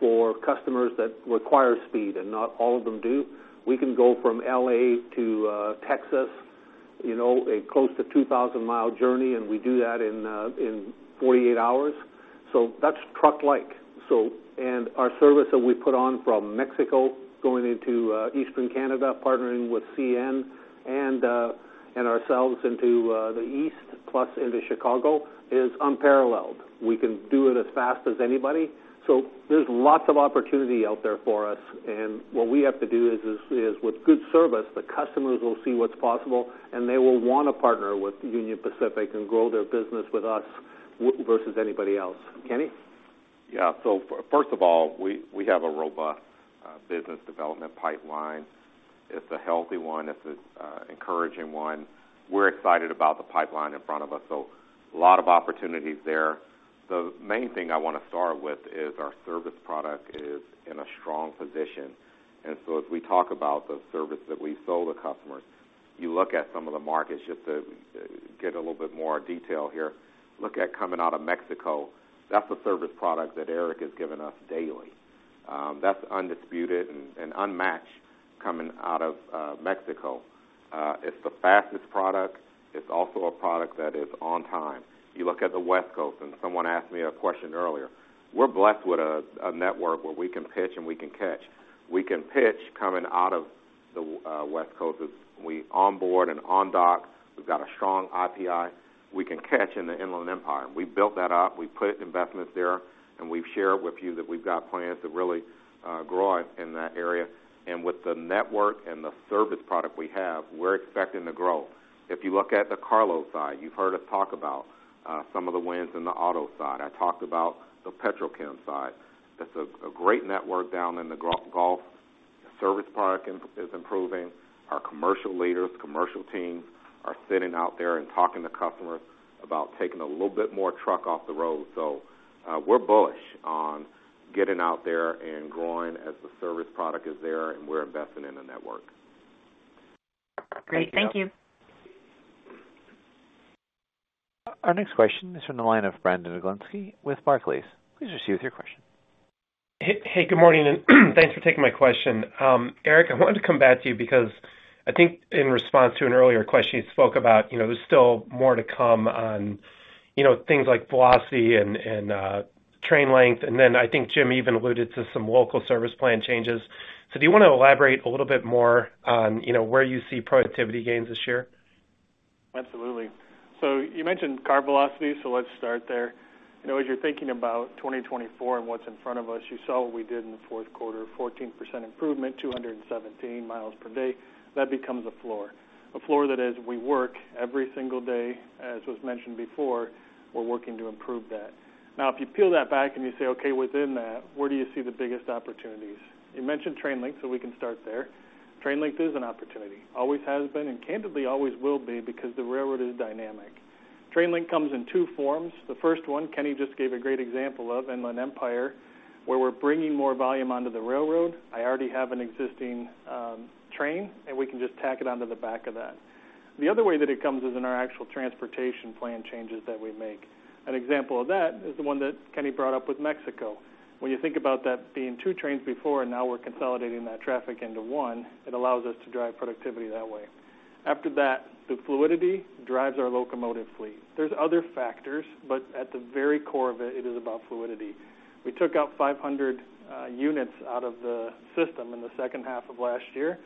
for customers that require speed, and not all of them do. We can go from LA to Texas, you know, a close to 2,000-mile journey, and we do that in 48 hours, so that's truck-like. So and our service that we put on from Mexico going into Eastern Canada, partnering with CN and ourselves into the East, plus into Chicago, is unparalleled. We can do it as fast as anybody, so there's lots of opportunity out there for us. And what we have to do is with good service, the customers will see what's possible, and they will want to partner with Union Pacific and grow their business with us versus anybody else. Kenny? Yeah. So first of all, we have a robust business development pipeline. It's a healthy one. It's an encouraging one. We're excited about the pipeline in front of us, so a lot of opportunities there. The main thing I wanna start with is our service product is in a strong position, and so as we talk about the service that we sold the customers, you look at some of the markets, just to get a little bit more detail here, look at coming out of Mexico. That's a service product that Eric is giving us daily. That's undisputed and unmatched coming out of Mexico. It's the fastest product. It's also a product that is on time. You look at the West Coast, and someone asked me a question earlier. We're blessed with a network where we can pitch and we can catch. We can pitch coming out of the West Coast, as we onboard and on dock, we've got a strong IPI. We can catch in the Inland Empire. We built that up, we put investments there, and we've shared with you that we've got plans to really grow in that area. And with the network and the service product we have, we're expecting to grow. If you look at the carload side, you've heard us talk about some of the wins in the auto side. I talked about the petrochem side. That's a great network down in the Gulf, service product and is improving. Our commercial leaders, commercial teams are sitting out there and talking to customers about taking a little bit more truck off the road. So, we're bullish on getting out there and growing as the service product is there, and we're investing in the network. Great. Thank you. Our next question is from the line of Brandon Oglenski with Barclays. Please proceed with your question. Hey, good morning, and thanks for taking my question. Eric, I wanted to come back to you because I think in response to an earlier question, you spoke about, you know, there's still more to come on, you know, things like velocity and, and, train length, and then I think Jim even alluded to some local service plan changes. So do you wanna elaborate a little bit more on, you know, where you see productivity gains this year? Absolutely. So you mentioned car velocity, so let's start there. You know, as you're thinking about 2024 and what's in front of us, you saw what we did in the fourth quarter, 14% improvement, 217 mi per day. That becomes a floor. A floor that as we work every single day, as was mentioned before, we're working to improve that. Now, if you peel that back and you say, "Okay, within that, where do you see the biggest opportunities?" You mentioned train length, so we can start there. Train length is an opportunity. Always has been, and candidly, always will be, because the railroad is dynamic. Train length comes in two forms. The first one, Kenny just gave a great example of, Inland Empire, where we're bringing more volume onto the railroad. I already have an existing train, and we can just tack it onto the back of that. The other way that it comes is in our actual transportation plan changes that we make. An example of that is the one that Kenny brought up with Mexico. When you think about that being two trains before, and now we're consolidating that traffic into one, it allows us to drive productivity that way. After that, the fluidity drives our locomotive fleet. There's other factors, but at the very core of it, it is about fluidity. We took out 500 units out of the system in the second half of last year,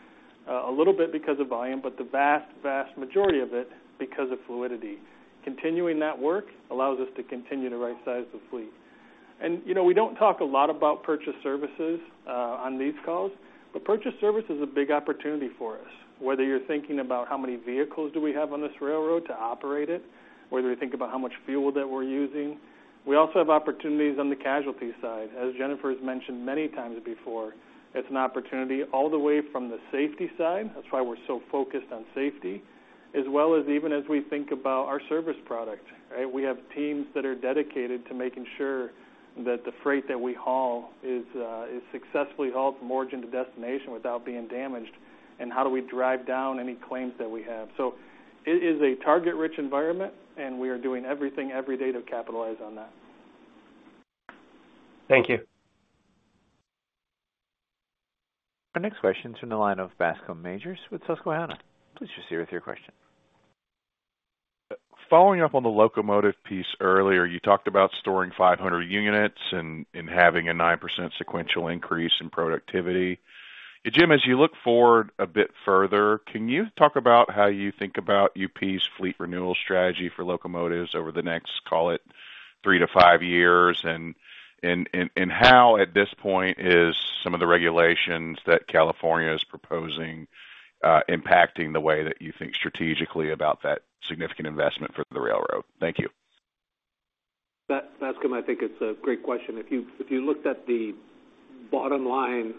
a little bit because of volume, but the vast, vast majority of it because of fluidity. Continuing that work allows us to continue to rightsize the fleet. You know, we don't talk a lot about purchased services on these calls, but purchased service is a big opportunity for us. Whether you're thinking about how many vehicles do we have on this railroad to operate it, whether you think about how much fuel that we're using, we also have opportunities on the casualty side. As Jennifer has mentioned many times before, it's an opportunity all the way from the safety side, that's why we're so focused on safety, as well as even as we think about our service product, right? We have teams that are dedicated to making sure that the freight that we haul is successfully hauled from origin to destination without being damaged, and how do we drive down any claims that we have? So it is a target-rich environment, and we are doing everything every day to capitalize on that. Thank you. Our next question is from the line of Bascom Majors with Susquehanna. Please proceed with your question. Following up on the locomotive piece earlier, you talked about storing 500 units and having a 9% sequential increase in productivity. Jim, as you look forward a bit further, can you talk about how you think about UP's fleet renewal strategy for locomotives over the next, call it, three to five years? And how, at this point, is some of the regulations that California is proposing impacting the way that you think strategically about that significant investment for the railroad? Thank you. Bascom, I think it's a great question. If you, if you looked at the bottom line,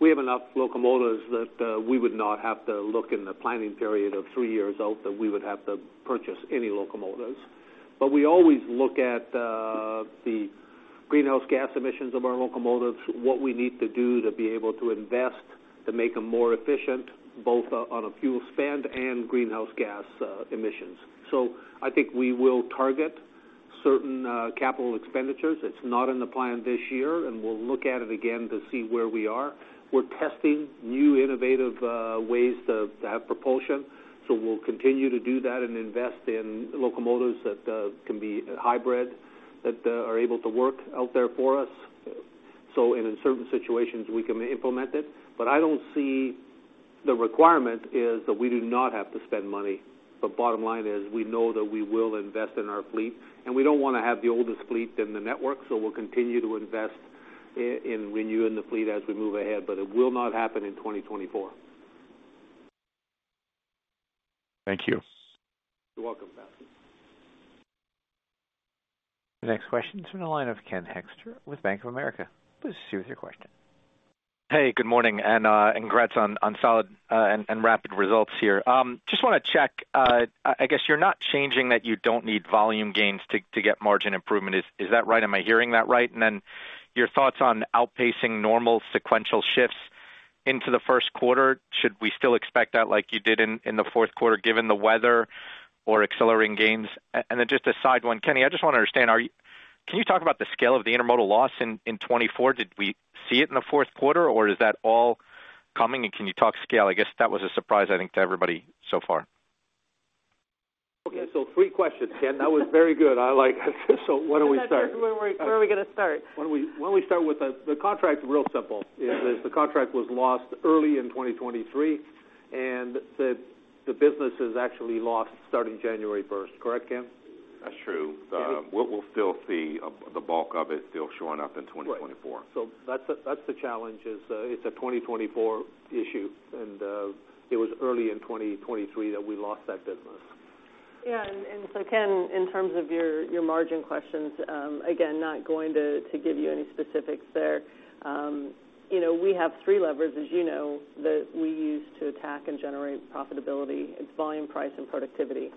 we have enough locomotives that we would not have to look in the planning period of three years out, that we would have to purchase any locomotives. But we always look at the greenhouse gas emissions of our locomotives, what we need to do to be able to invest, to make them more efficient, both on, on a fuel spend and greenhouse gas emissions. So I think we will target certain capital expenditures. It's not in the plan this year, and we'll look at it again to see where we are. We're testing new, innovative ways to have propulsion, so we'll continue to do that and invest in locomotives that can be hybrid, that are able to work out there for us. In certain situations, we can implement it. But I don't see the requirement is that we do not have to spend money. The bottom line is, we know that we will invest in our fleet, and we don't wanna have the oldest fleet in the network, so we'll continue to invest in renewing the fleet as we move ahead, but it will not happen in 2024. Thank you. You're welcome, Bascom. The next question is from the line of Ken Hoexter with Bank of America. Please proceed with your question. Hey, good morning, and congrats on solid and rapid results here. Just wanna check, I guess you're not changing, that you don't need volume gains to get margin improvement. Is that right? Am I hearing that right? And then, your thoughts on outpacing normal sequential shifts into the first quarter, should we still expect that like you did in the fourth quarter, given the weather or accelerating gains? And then just a side one, Kenny, I just want to understand, can you talk about the scale of the intermodal loss in 2024? Did we see it in the fourth quarter, or is that all coming? And can you talk scale? I guess that was a surprise, I think, to everybody so far. Okay, so three questions, Ken. That was very good. I like it. So where do we start? Where are we going to start? Why don't we start with the contract's real simple. Is the contract was lost early in 2023, and the business is actually lost starting January first. Correct, Ken? That's true. We'll, we'll still see the bulk of it still showing up in 2024. Right. So that's the, that's the challenge, is, it's a 2024 issue, and, it was early in 2023 that we lost that business. Yeah, and so, Ken, in terms of your margin questions, again, not going to give you any specifics there. You know, we have three levers, as you know, that we use to attack and generate profitability. It's volume, price, and productivity.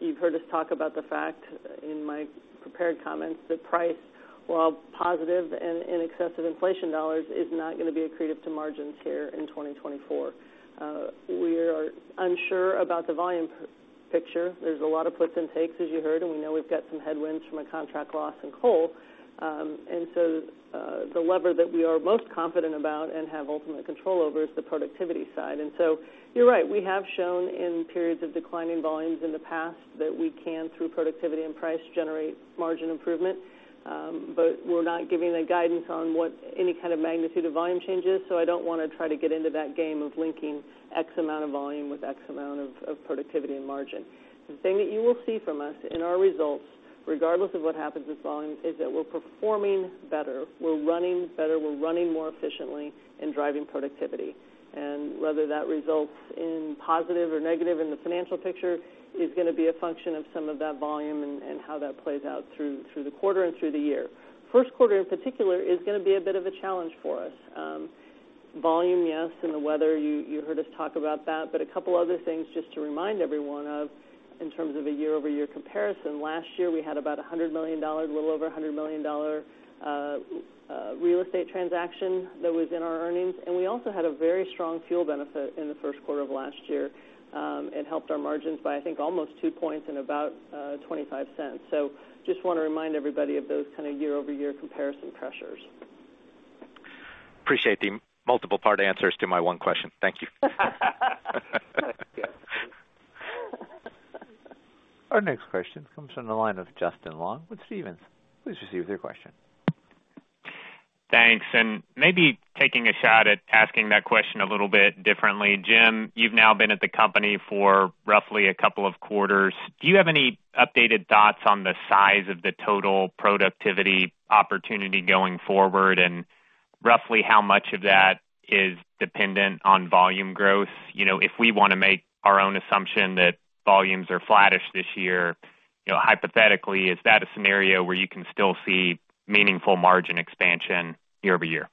You've heard us talk about the fact, in my prepared comments, that price, while positive and in excess of inflation dollars, is not going to be accretive to margins here in 2024. We are unsure about the volume picture. There's a lot of puts and takes, as you heard, and we know we've got some headwinds from a contract loss in coal. And so, the lever that we are most confident about and have ultimate control over is the productivity side. So you're right, we have shown in periods of declining volumes in the past that we can, through productivity and price, generate margin improvement. But we're not giving any guidance on what any kind of magnitude of volume change is, so I don't want to try to get into that game of linking X amount of volume with X amount of productivity and margin. The thing that you will see from us in our results, regardless of what happens with volume, is that we're performing better, we're running better, we're running more efficiently and driving productivity. And whether that results in positive or negative in the financial picture is going to be a function of some of that volume and how that plays out through the quarter and through the year. First quarter, in particular, is going to be a bit of a challenge for us. Volume, yes, and the weather, you heard us talk about that. But a couple other things just to remind everyone of, in terms of a year-over-year comparison, last year, we had about a $100 million, a little over a $100 million, real estate transaction that was in our earnings, and we also had a very strong fuel benefit in the first quarter of last year. It helped our margins by, I think, almost 2 points and about $0.25. So just want to remind everybody of those kind of year-over-year comparison pressures. Appreciate the multiple part answers to my one question. Thank you. That's good. Our next question comes from the line of Justin Long with Stephens. Please proceed with your question. Thanks, and maybe taking a shot at asking that question a little bit differently. Jim, you've now been at the company for roughly a couple of quarters. Do you have any updated thoughts on the size of the total productivity opportunity going forward, and roughly how much of that is dependent on volume growth? You know, if we want to make our own assumption that volumes are flattish this year, you know, hypothetically, is that a scenario where you can still see meaningful margin expansion year-over-year?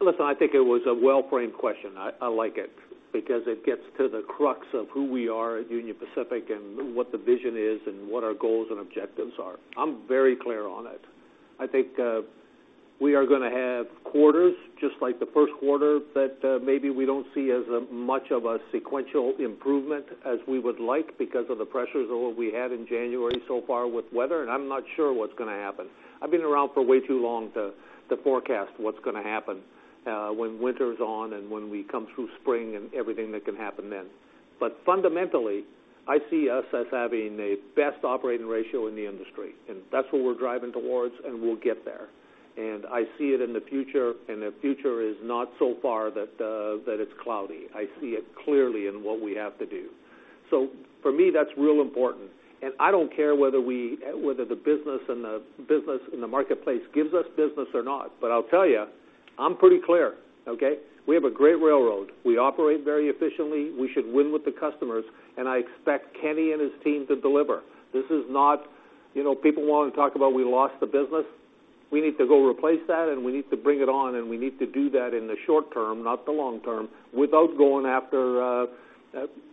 Listen, I think it was a well-framed question. I like it because it gets to the crux of who we are at Union Pacific and what the vision is and what our goals and objectives are. I'm very clear on it. I think, we are going to have quarters, just like the first quarter, that, maybe we don't see as much of a sequential improvement as we would like because of the pressures or what we had in January so far with weather, and I'm not sure what's going to happen. I've been around for way too long to forecast what's going to happen, when winter is on and when we come through spring and everything that can happen then. But fundamentally, I see us as having the best operating ratio in the industry, and that's what we're driving towards, and we'll get there. And I see it in the future, and the future is not so far that, that it's cloudy. I see it clearly in what we have to do. So for me, that's real important. And I don't care whether we—whether the business and the business in the marketplace gives us business or not, but I'll tell you, I'm pretty clear, okay? We have a great railroad. We operate very efficiently. We should win with the customers, and I expect Kenny and his team to deliver. This is not... You know, people want to talk about we lost the business. We need to go replace that, and we need to bring it on, and we need to do that in the short term, not the long term, without going after,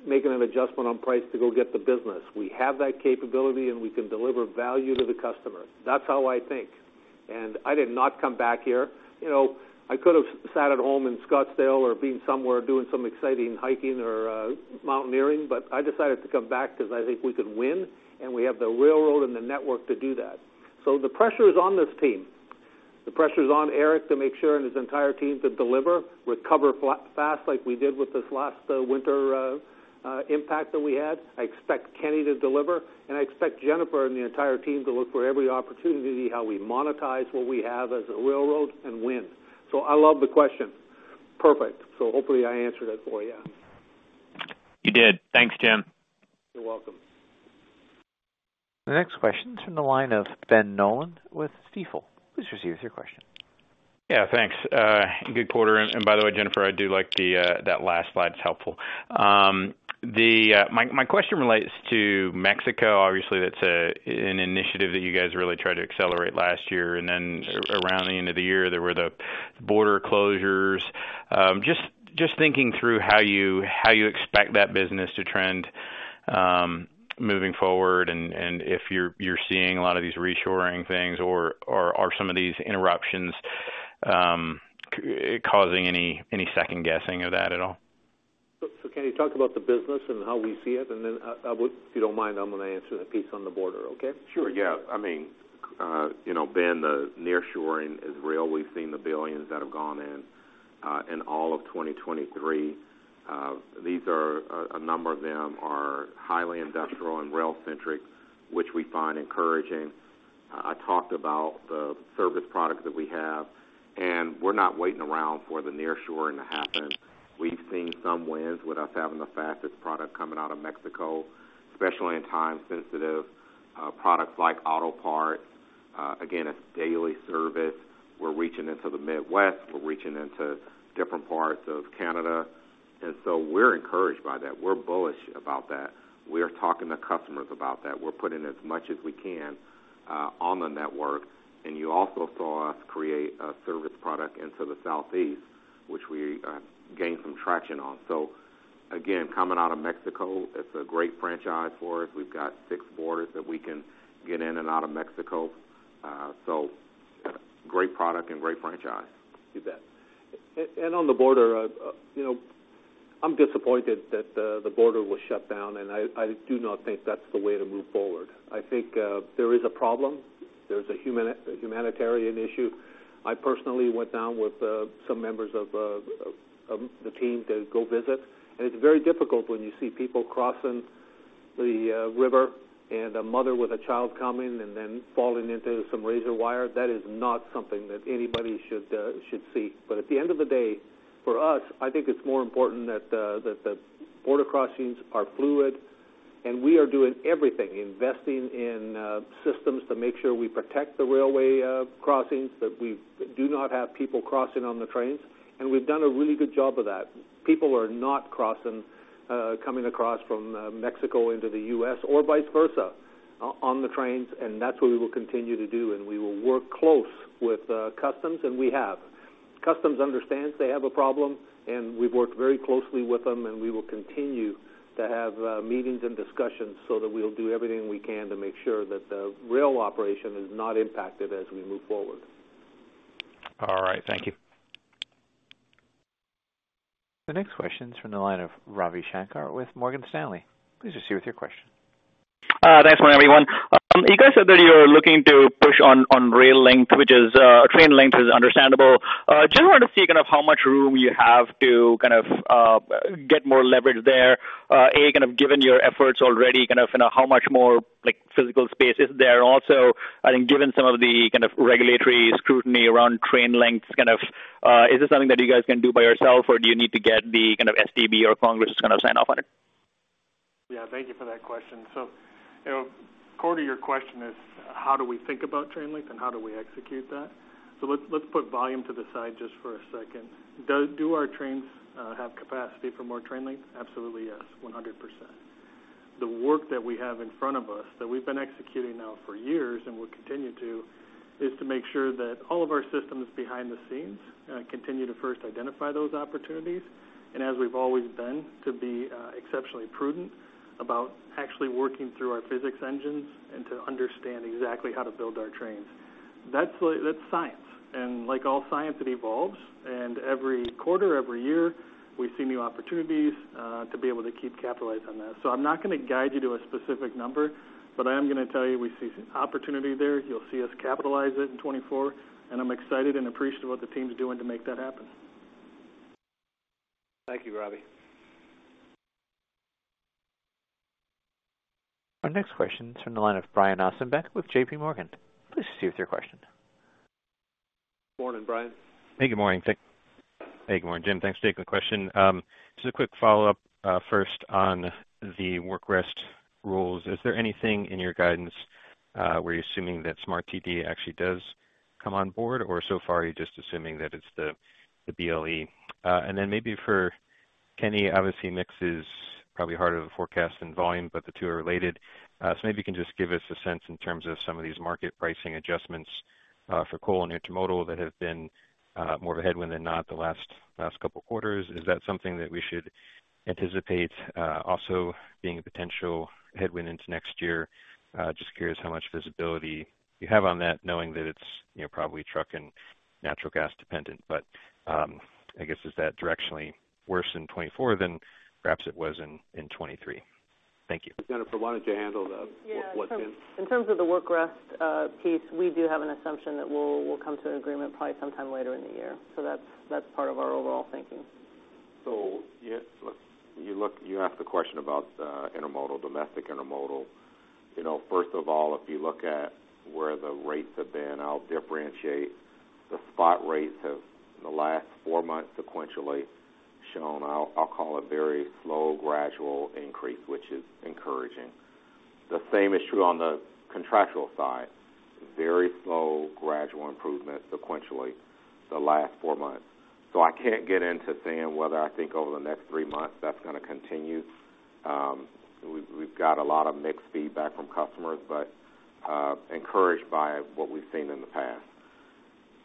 making an adjustment on price to go get the business. We have that capability, and we can deliver value to the customer. That's how I think. I did not come back here. You know, I could have sat at home in Scottsdale or been somewhere doing some exciting hiking or mountaineering, but I decided to come back because I think we can win, and we have the railroad and the network to do that. So the pressure is on this team. The pressure is on Eric to make sure, and his entire team, to deliver, recover fast like we did with this last winter impact that we had. I expect Kenny to deliver, and I expect Jennifer and the entire team to look for every opportunity, how we monetize what we have as a railroad and win. So I love the question. Perfect. So hopefully, I answered it for you. You did. Thanks, Jim. You're welcome. The next question is from the line of Ben Nolan with Stifel. Please proceed with your question. Yeah, thanks. Good quarter. And by the way, Jennifer, I do like the, that last slide. It's helpful. My question relates to Mexico. Obviously, that's an initiative that you guys really tried to accelerate last year, and then around the end of the year, there were the border closures. Just, just thinking through how you, how you expect that business to trend... moving forward, and if you're seeing a lot of these reshoring things, or are some of these interruptions causing any second guessing of that at all? Kenny, talk about the business and how we see it, and then, I would, if you don't mind, I'm gonna answer the piece on the border, okay? Sure. Yeah. I mean, you know, Ben, the nearshoring is real. We've seen the billions that have gone in in all of 2023. These are a number of them are highly industrial and rail-centric, which we find encouraging. I talked about the service products that we have, and we're not waiting around for the nearshoring to happen. We've seen some wins with us having the fastest product coming out of Mexico, especially in time-sensitive products like auto parts. Again, it's daily service. We're reaching into the Midwest, we're reaching into different parts of Canada, and so we're encouraged by that. We're bullish about that. We are talking to customers about that. We're putting as much as we can on the network, and you also saw us create a service product into the Southeast, which we gained some traction on. So again, coming out of Mexico, it's a great franchise for us. We've got six borders that we can get in and out of Mexico. So great product and great franchise. You bet. And on the border, you know, I'm disappointed that the border was shut down, and I do not think that's the way to move forward. I think there is a problem. There's a humanitarian issue. I personally went down with some members of the team to go visit, and it's very difficult when you see people crossing the river and a mother with a child coming and then falling into some razor wire. That is not something that anybody should see. But at the end of the day, for us, I think it's more important that the border crossings are fluid, and we are doing everything, investing in systems to make sure we protect the railway crossings, that we do not have people crossing on the trains, and we've done a really good job of that. People are not crossing coming across from Mexico into the U.S. or vice versa, on the trains, and that's what we will continue to do, and we will work close with Customs, and we have. Customs understands they have a problem, and we've worked very closely with them, and we will continue to have meetings and discussions so that we'll do everything we can to make sure that the rail operation is not impacted as we move forward. All right. Thank you. The next question is from the line of Ravi Shankar with Morgan Stanley. Please proceed with your question. Thanks, everyone. You guys said that you're looking to push on rail length, which is train length, is understandable. Just wanted to see kind of how much room you have to kind of get more leverage there. Kind of given your efforts already, kind of, you know, how much more, like, physical space is there? Also, I think given some of the kind of regulatory scrutiny around train lengths, kind of, is this something that you guys can do by yourself, or do you need to get the kind of STB or Congress to kind of sign off on it? Yeah, thank you for that question. So, you know, core to your question is, how do we think about train length and how do we execute that? So let's put volume to the side just for a second. Do our trains have capacity for more train length? Absolutely, yes, 100%. The work that we have in front of us, that we've been executing now for years and will continue to, is to make sure that all of our systems behind the scenes continue to first identify those opportunities, and as we've always been, to be exceptionally prudent about actually working through our physics engines and to understand exactly how to build our trains. That's science, and like all science, it evolves, and every quarter, every year, we see new opportunities to be able to keep capitalizing on that. So I'm not gonna guide you to a specific number, but I am gonna tell you, we see opportunity there. You'll see us capitalize it in 2024, and I'm excited and appreciative of what the team's doing to make that happen. Thank you, Ravi. Our next question is from the line of Brian Ossenbeck with JPMorgan. Please proceed with your question. Morning, Brian. Hey, good morning, Jim. Thanks for taking the question. Just a quick follow-up, first on the work rest rules. Is there anything in your guidance where you're assuming that SMART-TD actually does come on board, or so far, are you just assuming that it's the BLET? And then maybe for Kenny, obviously, mix is probably harder to forecast than volume, but the two are related. So maybe you can just give us a sense in terms of some of these market pricing adjustments for coal and intermodal that have been more of a headwind than not the last couple of quarters. Is that something that we should anticipate also being a potential headwind into next year? Just curious how much visibility you have on that, knowing that it's, you know, probably truck and natural gas dependent. But, I guess, is that directionally worse in 2024 than perhaps it was in 2023? Thank you. Jennifer, why don't you handle the what, what- Yeah, in terms of the work rest piece, we do have an assumption that we'll come to an agreement probably sometime later in the year. So that's part of our overall thinking. So yeah, look, you asked the question about intermodal, domestic intermodal. You know, first of all, if you look at where the rates have been, I'll differentiate. The spot rates have, in the last four months sequentially, shown, I'll call it very slow, gradual increase, which is encouraging. The same is true on the contractual side. Very slow, gradual improvement sequentially the last four months. So I can't get into saying whether I think over the next three months that's gonna continue. We've got a lot of mixed feedback from customers, but encouraged by what we've seen in the past.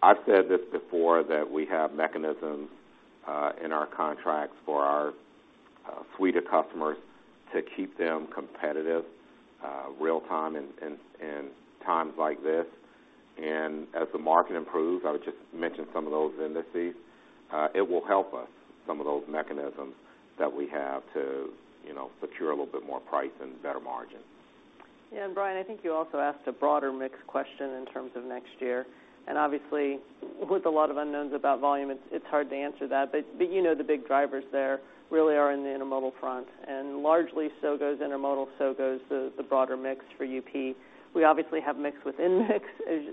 I've said this before, that we have mechanisms in our contracts for our suite of customers to keep them competitive real time in times like this. As the market improves, I would just mention some of those indices. It will help us, some of those mechanisms that we have to, you know, secure a little bit more price and better margin. Yeah, and Brian, I think you also asked a broader mix question in terms of next year. Obviously, with a lot of unknowns about volume, it's hard to answer that. But you know the big drivers there really are in the intermodal front, and largely, so goes intermodal, so goes the broader mix for UP. We obviously have mix within mix,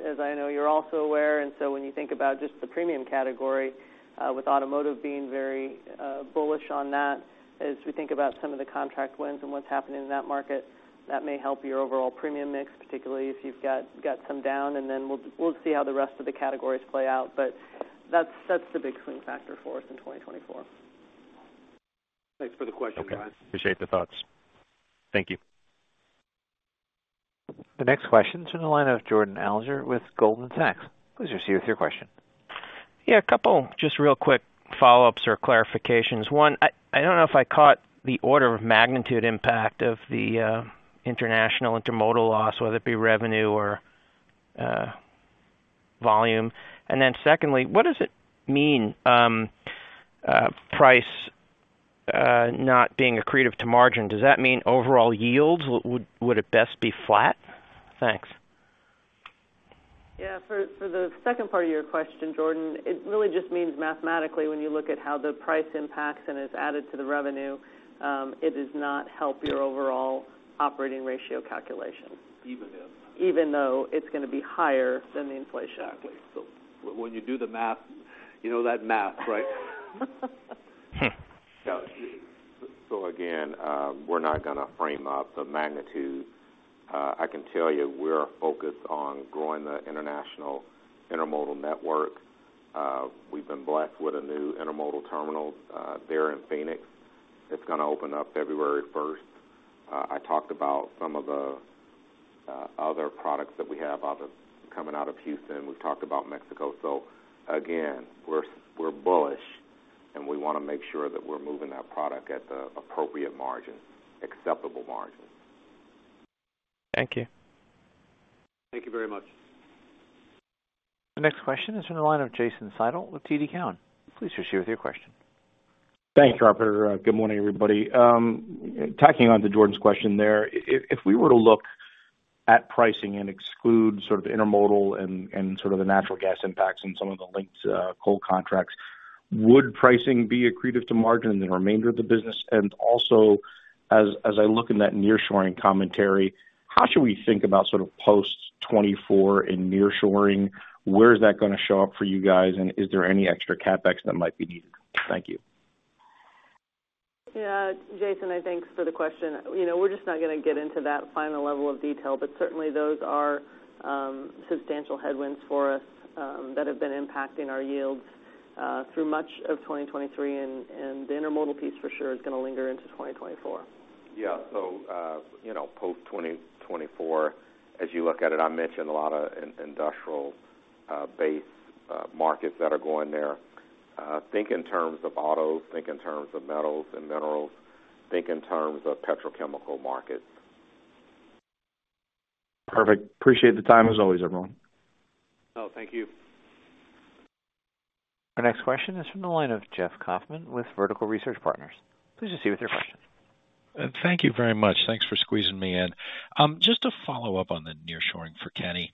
as I know you're also aware, and so when you think about just the premium category, with automotive being very bullish on that, as we think about some of the contract wins and what's happening in that market, that may help your overall premium mix, particularly if you've got some down, and then we'll see how the rest of the categories play out. But that's the big swing factor for us in 2024. Thanks for the question, Brian. Okay, appreciate the thoughts. Thank you. The next question is in the line of Jordan Alliger with Goldman Sachs. Please proceed with your question. Yeah, a couple just real quick follow-ups or clarifications. One, I don't know if I caught the order of magnitude impact of the international intermodal loss, whether it be revenue or volume. And then secondly, what does it mean, price not being accretive to margin? Does that mean overall yields would at best be flat? Thanks. Yeah, for the second part of your question, Jordan, it really just means mathematically, when you look at how the price impacts and is added to the revenue, it does not help your overall operating ratio calculation. Even though. Even though it's gonna be higher than the inflation. Exactly. So when you do the math, you know that math, right? So, so again, we're not gonna frame up the magnitude. I can tell you, we're focused on growing the international intermodal network. We've been blessed with a new intermodal terminal there in Phoenix. It's gonna open up February first. I talked about some of the other products that we have out of coming out of Houston. We've talked about Mexico. So again, we're, we're bullish, and we wanna make sure that we're moving that product at the appropriate margin, acceptable margin. Thank you. Thank you very much. The next question is from the line of Jason Seidl with TD Cowen. Please proceed with your question. Thanks, Harper. Good morning, everybody. Tacking on to Jordan's question there, if we were to look at pricing and exclude sort of the intermodal and sort of the natural gas impacts and some of the linked coal contracts, would pricing be accretive to margin in the remainder of the business? And also, as I look in that nearshoring commentary, how should we think about sort of post-2024 in nearshoring? Where is that gonna show up for you guys, and is there any extra CapEx that might be needed? Thank you. Yeah, Jason, I thank for the question. You know, we're just not gonna get into that final level of detail, but certainly those are substantial headwinds for us that have been impacting our yields through much of 2023, and, and the intermodal piece for sure is gonna linger into 2024. Yeah. So, you know, post 2024, as you look at it, I mentioned a lot of industrial base markets that are going there. Think in terms of autos, think in terms of metals and minerals, think in terms of petrochemical markets. Perfect. Appreciate the time as always, everyone. No, thank you. Our next question is from the line of Jeff Kauffman with Vertical Research Partners. Please proceed with your question. Thank you very much. Thanks for squeezing me in. Just to follow up on the nearshoring for Kenny.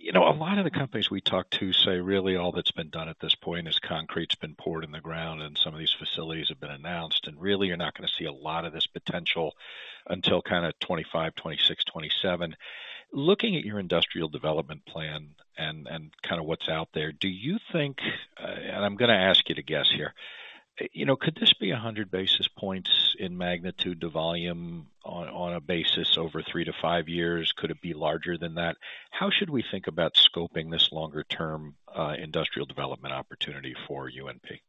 You know, a lot of the companies we talk to say, really, all that's been done at this point is concrete's been poured in the ground, and some of these facilities have been announced, and really, you're not gonna see a lot of this potential until kind of 25, 26, 27. Looking at your industrial development plan and, and kind of what's out there, do you think, and I'm gonna ask you to guess here, you know, could this be 100 basis points in magnitude to volume on, on a basis over three to five years? Could it be larger than that? How should we think about scoping this longer-term, industrial development opportunity for UNP?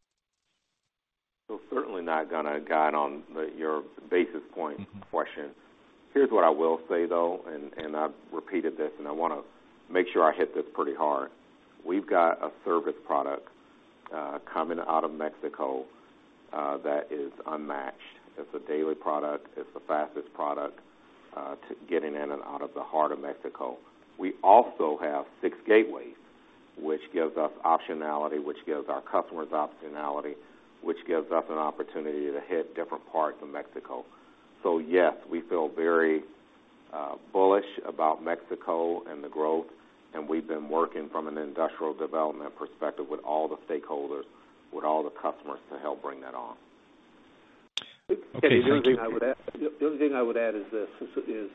So certainly not gonna guide on the your basis point question. Here's what I will say, though, and I've repeated this, and I wanna make sure I hit this pretty hard. We've got a service product coming out of Mexico that is unmatched. It's a daily product. It's the fastest product to getting in and out of the heart of Mexico. We also have 6 gateways, which gives us optionality, which gives our customers optionality, which gives us an opportunity to hit different parts of Mexico. So yes, we feel very bullish about Mexico and the growth, and we've been working from an industrial development perspective with all the stakeholders, with all the customers to help bring that on. Okay, thank you. The only thing I would add, the only thing I would add is this, is,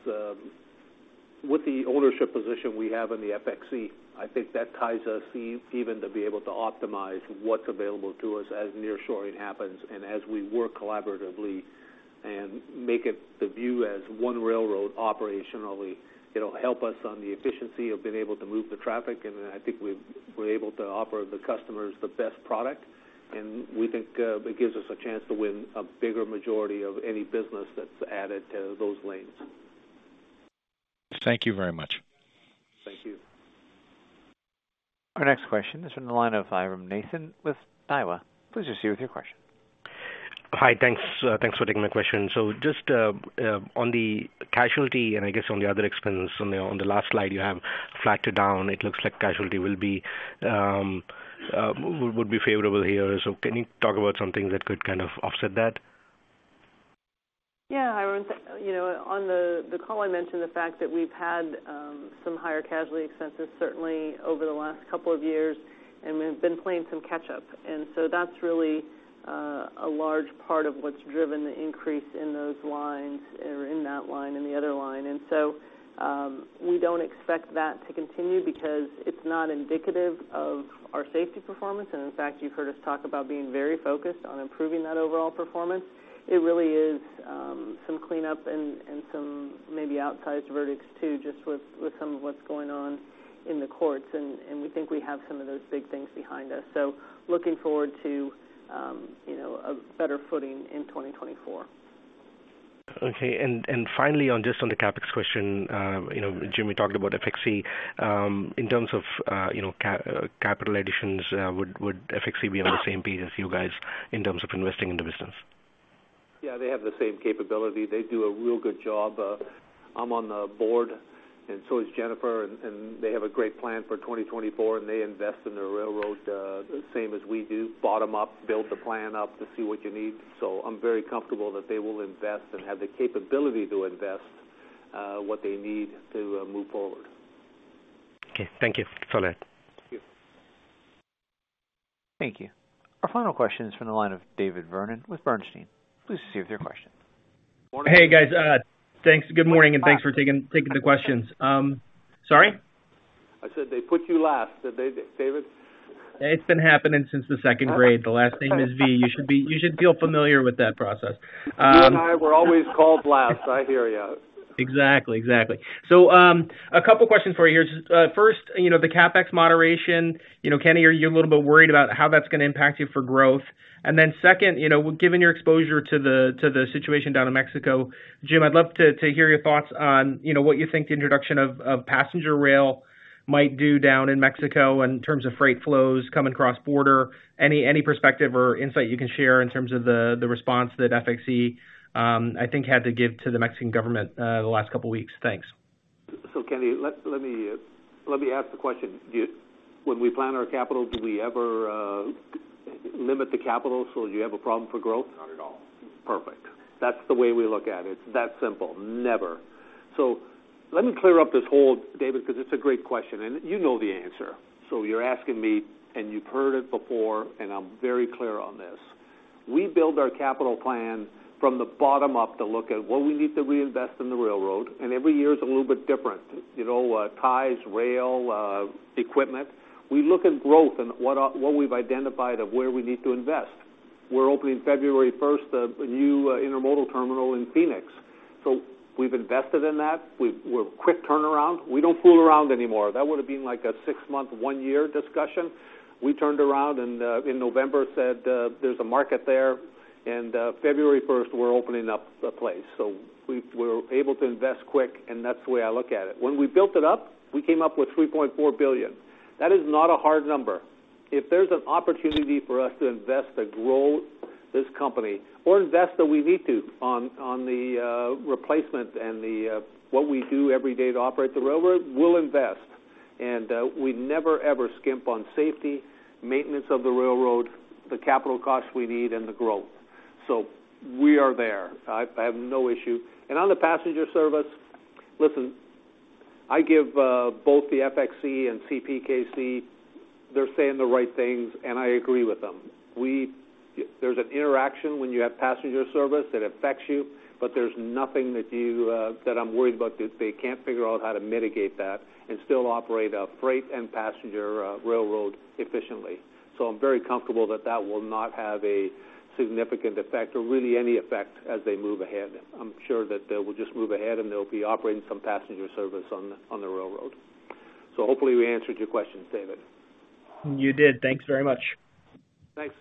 with the ownership position we have in the FXE, I think that ties us even to be able to optimize what's available to us as nearshoring happens and as we work collaboratively and make it the view as one railroad operationally. It'll help us on the efficiency of being able to move the traffic, and I think we're able to offer the customers the best product, and we think, it gives us a chance to win a bigger majority of any business that's added to those lanes. Thank you very much. Thank you. Our next question is from the line of Jairam Nathan with Daiwa Capital Markets. Please go ahead with your question. Hi, thanks. Thanks for taking my question. So just on the casualty, and I guess on the other expense, on the last slide, you have flat to down. It looks like casualty will be would be favorable here. So can you talk about some things that could kind of offset that? Yeah, Jairam, you know, on the call, I mentioned the fact that we've had some higher casualty expenses, certainly over the last couple of years, and we've been playing some catch up. So that's really a large part of what's driven the increase in those lines or in that line, in the other line. So we don't expect that to continue because it's not indicative of our safety performance. And in fact, you've heard us talk about being very focused on improving that overall performance. It really is some cleanup and some maybe outsized verdicts, too, just with some of what's going on in the courts, and we think we have some of those big things behind us. So looking forward to, you know, a better footing in 2024. Okay. And finally, on just on the CapEx question, you know, Jim, you talked about FXE, in terms of, you know, capital additions, would FXE be on the same page as you guys in terms of investing in the business? Yeah, they have the same capability. They do a real good job. I'm on the board and so is Jennifer, and they have a great plan for 2024, and they invest in the railroad, the same as we do. Bottom up, build the plan up to see what you need. So I'm very comfortable that they will invest and have the capability to invest, what they need to, move forward. Okay, thank you. It's all right. Thank you. Thank you. Our final question is from the line of David Vernon with Bernstein. Please proceed with your question. Hey, guys, thanks. Good morning, and thanks for taking the questions. Sorry? I said they put you last, did they, David? It's been happening since the second grade. The last name is V. You should feel familiar with that process. You and I were always called last. I hear you. Exactly, exactly. So, a couple questions for you here. First, you know, the CapEx moderation, you know, Kenny, are you a little bit worried about how that's going to impact you for growth? And then second, you know, given your exposure to the situation down in Mexico, Jim, I'd love to hear your thoughts on, you know, what you think the introduction of passenger rail might do down in Mexico in terms of freight flows coming across border. Any perspective or insight you can share in terms of the response that FXE, I think, had to give to the Mexican government, the last couple of weeks? Thanks. So, Kenny, let me ask the question: do you, when we plan our capital, do we ever limit the capital so you have a problem for growth? Not at all. Perfect. That's the way we look at it. It's that simple. Never. So let me clear up this whole, David, because it's a great question, and you know the answer. So you're asking me, and you've heard it before, and I'm very clear on this. We build our capital plan from the bottom up to look at what we need to reinvest in the railroad, and every year is a little bit different. You know, ties, rail, equipment. We look at growth and what we've identified of where we need to invest. We're opening February first, a new, intermodal terminal in Phoenix, so we've invested in that. We're quick turnaround. We don't fool around anymore. That would have been like a six-month, one-year discussion. We turned around and in November said there's a market there, and February first, we're opening up the place. So we're able to invest quick, and that's the way I look at it. When we built it up, we came up with $3.4 billion. That is not a hard number. If there's an opportunity for us to invest to grow this company or invest that we need to on the replacement and the what we do every day to operate the railroad, we'll invest, and we never, ever skimp on safety, maintenance of the railroad, the capital costs we need and the growth. So we are there. I have no issue. And on the passenger service, listen, I give both the FXE and CPKC, they're saying the right things, and I agree with them. There's an interaction when you have passenger service that affects you, but there's nothing that you, that I'm worried about, that they can't figure out how to mitigate that and still operate a freight and passenger railroad efficiently. So I'm very comfortable that that will not have a significant effect or really any effect as they move ahead. I'm sure that they will just move ahead, and they'll be operating some passenger service on, on the railroad. So hopefully, we answered your questions, David. You did. Thanks very much. Thanks.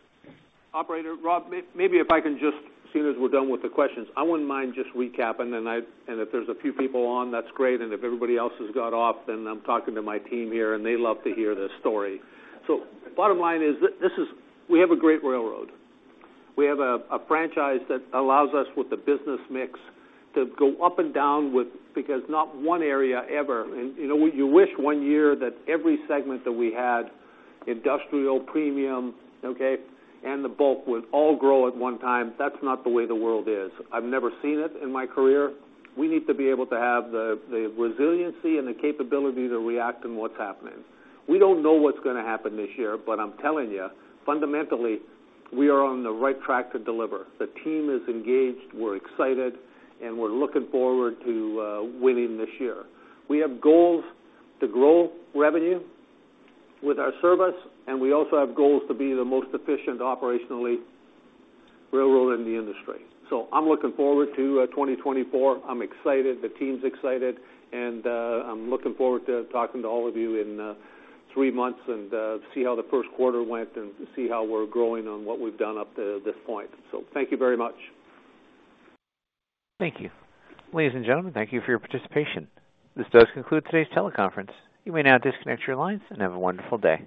Operator, Rob, maybe if I can just, as soon as we're done with the questions, I wouldn't mind just recapping. And if there's a few people on, that's great, and if everybody else has got off, then I'm talking to my team here, and they love to hear this story. So bottom line is, this is, we have a great railroad. We have a franchise that allows us with the business mix to go up and down with, because not one area ever, and, you know, you wish one year that every segment that we had, industrial, premium, okay, and the bulk would all grow at one time. That's not the way the world is. I've never seen it in my career. We need to be able to have the resiliency and the capability to react to what's happening. We don't know what's going to happen this year, but I'm telling you, fundamentally, we are on the right track to deliver. The team is engaged, we're excited, and we're looking forward to winning this year. We have goals to grow revenue with our service, and we also have goals to be the most efficient operationally railroad in the industry. So I'm looking forward to 2024. I'm excited, the team's excited, and I'm looking forward to talking to all of you in three months and see how the first quarter went and to see how we're growing on what we've done up to this point. So thank you very much. Thank you. Ladies and gentlemen, thank you for your participation. This does conclude today's teleconference. You may now disconnect your lines and have a wonderful day.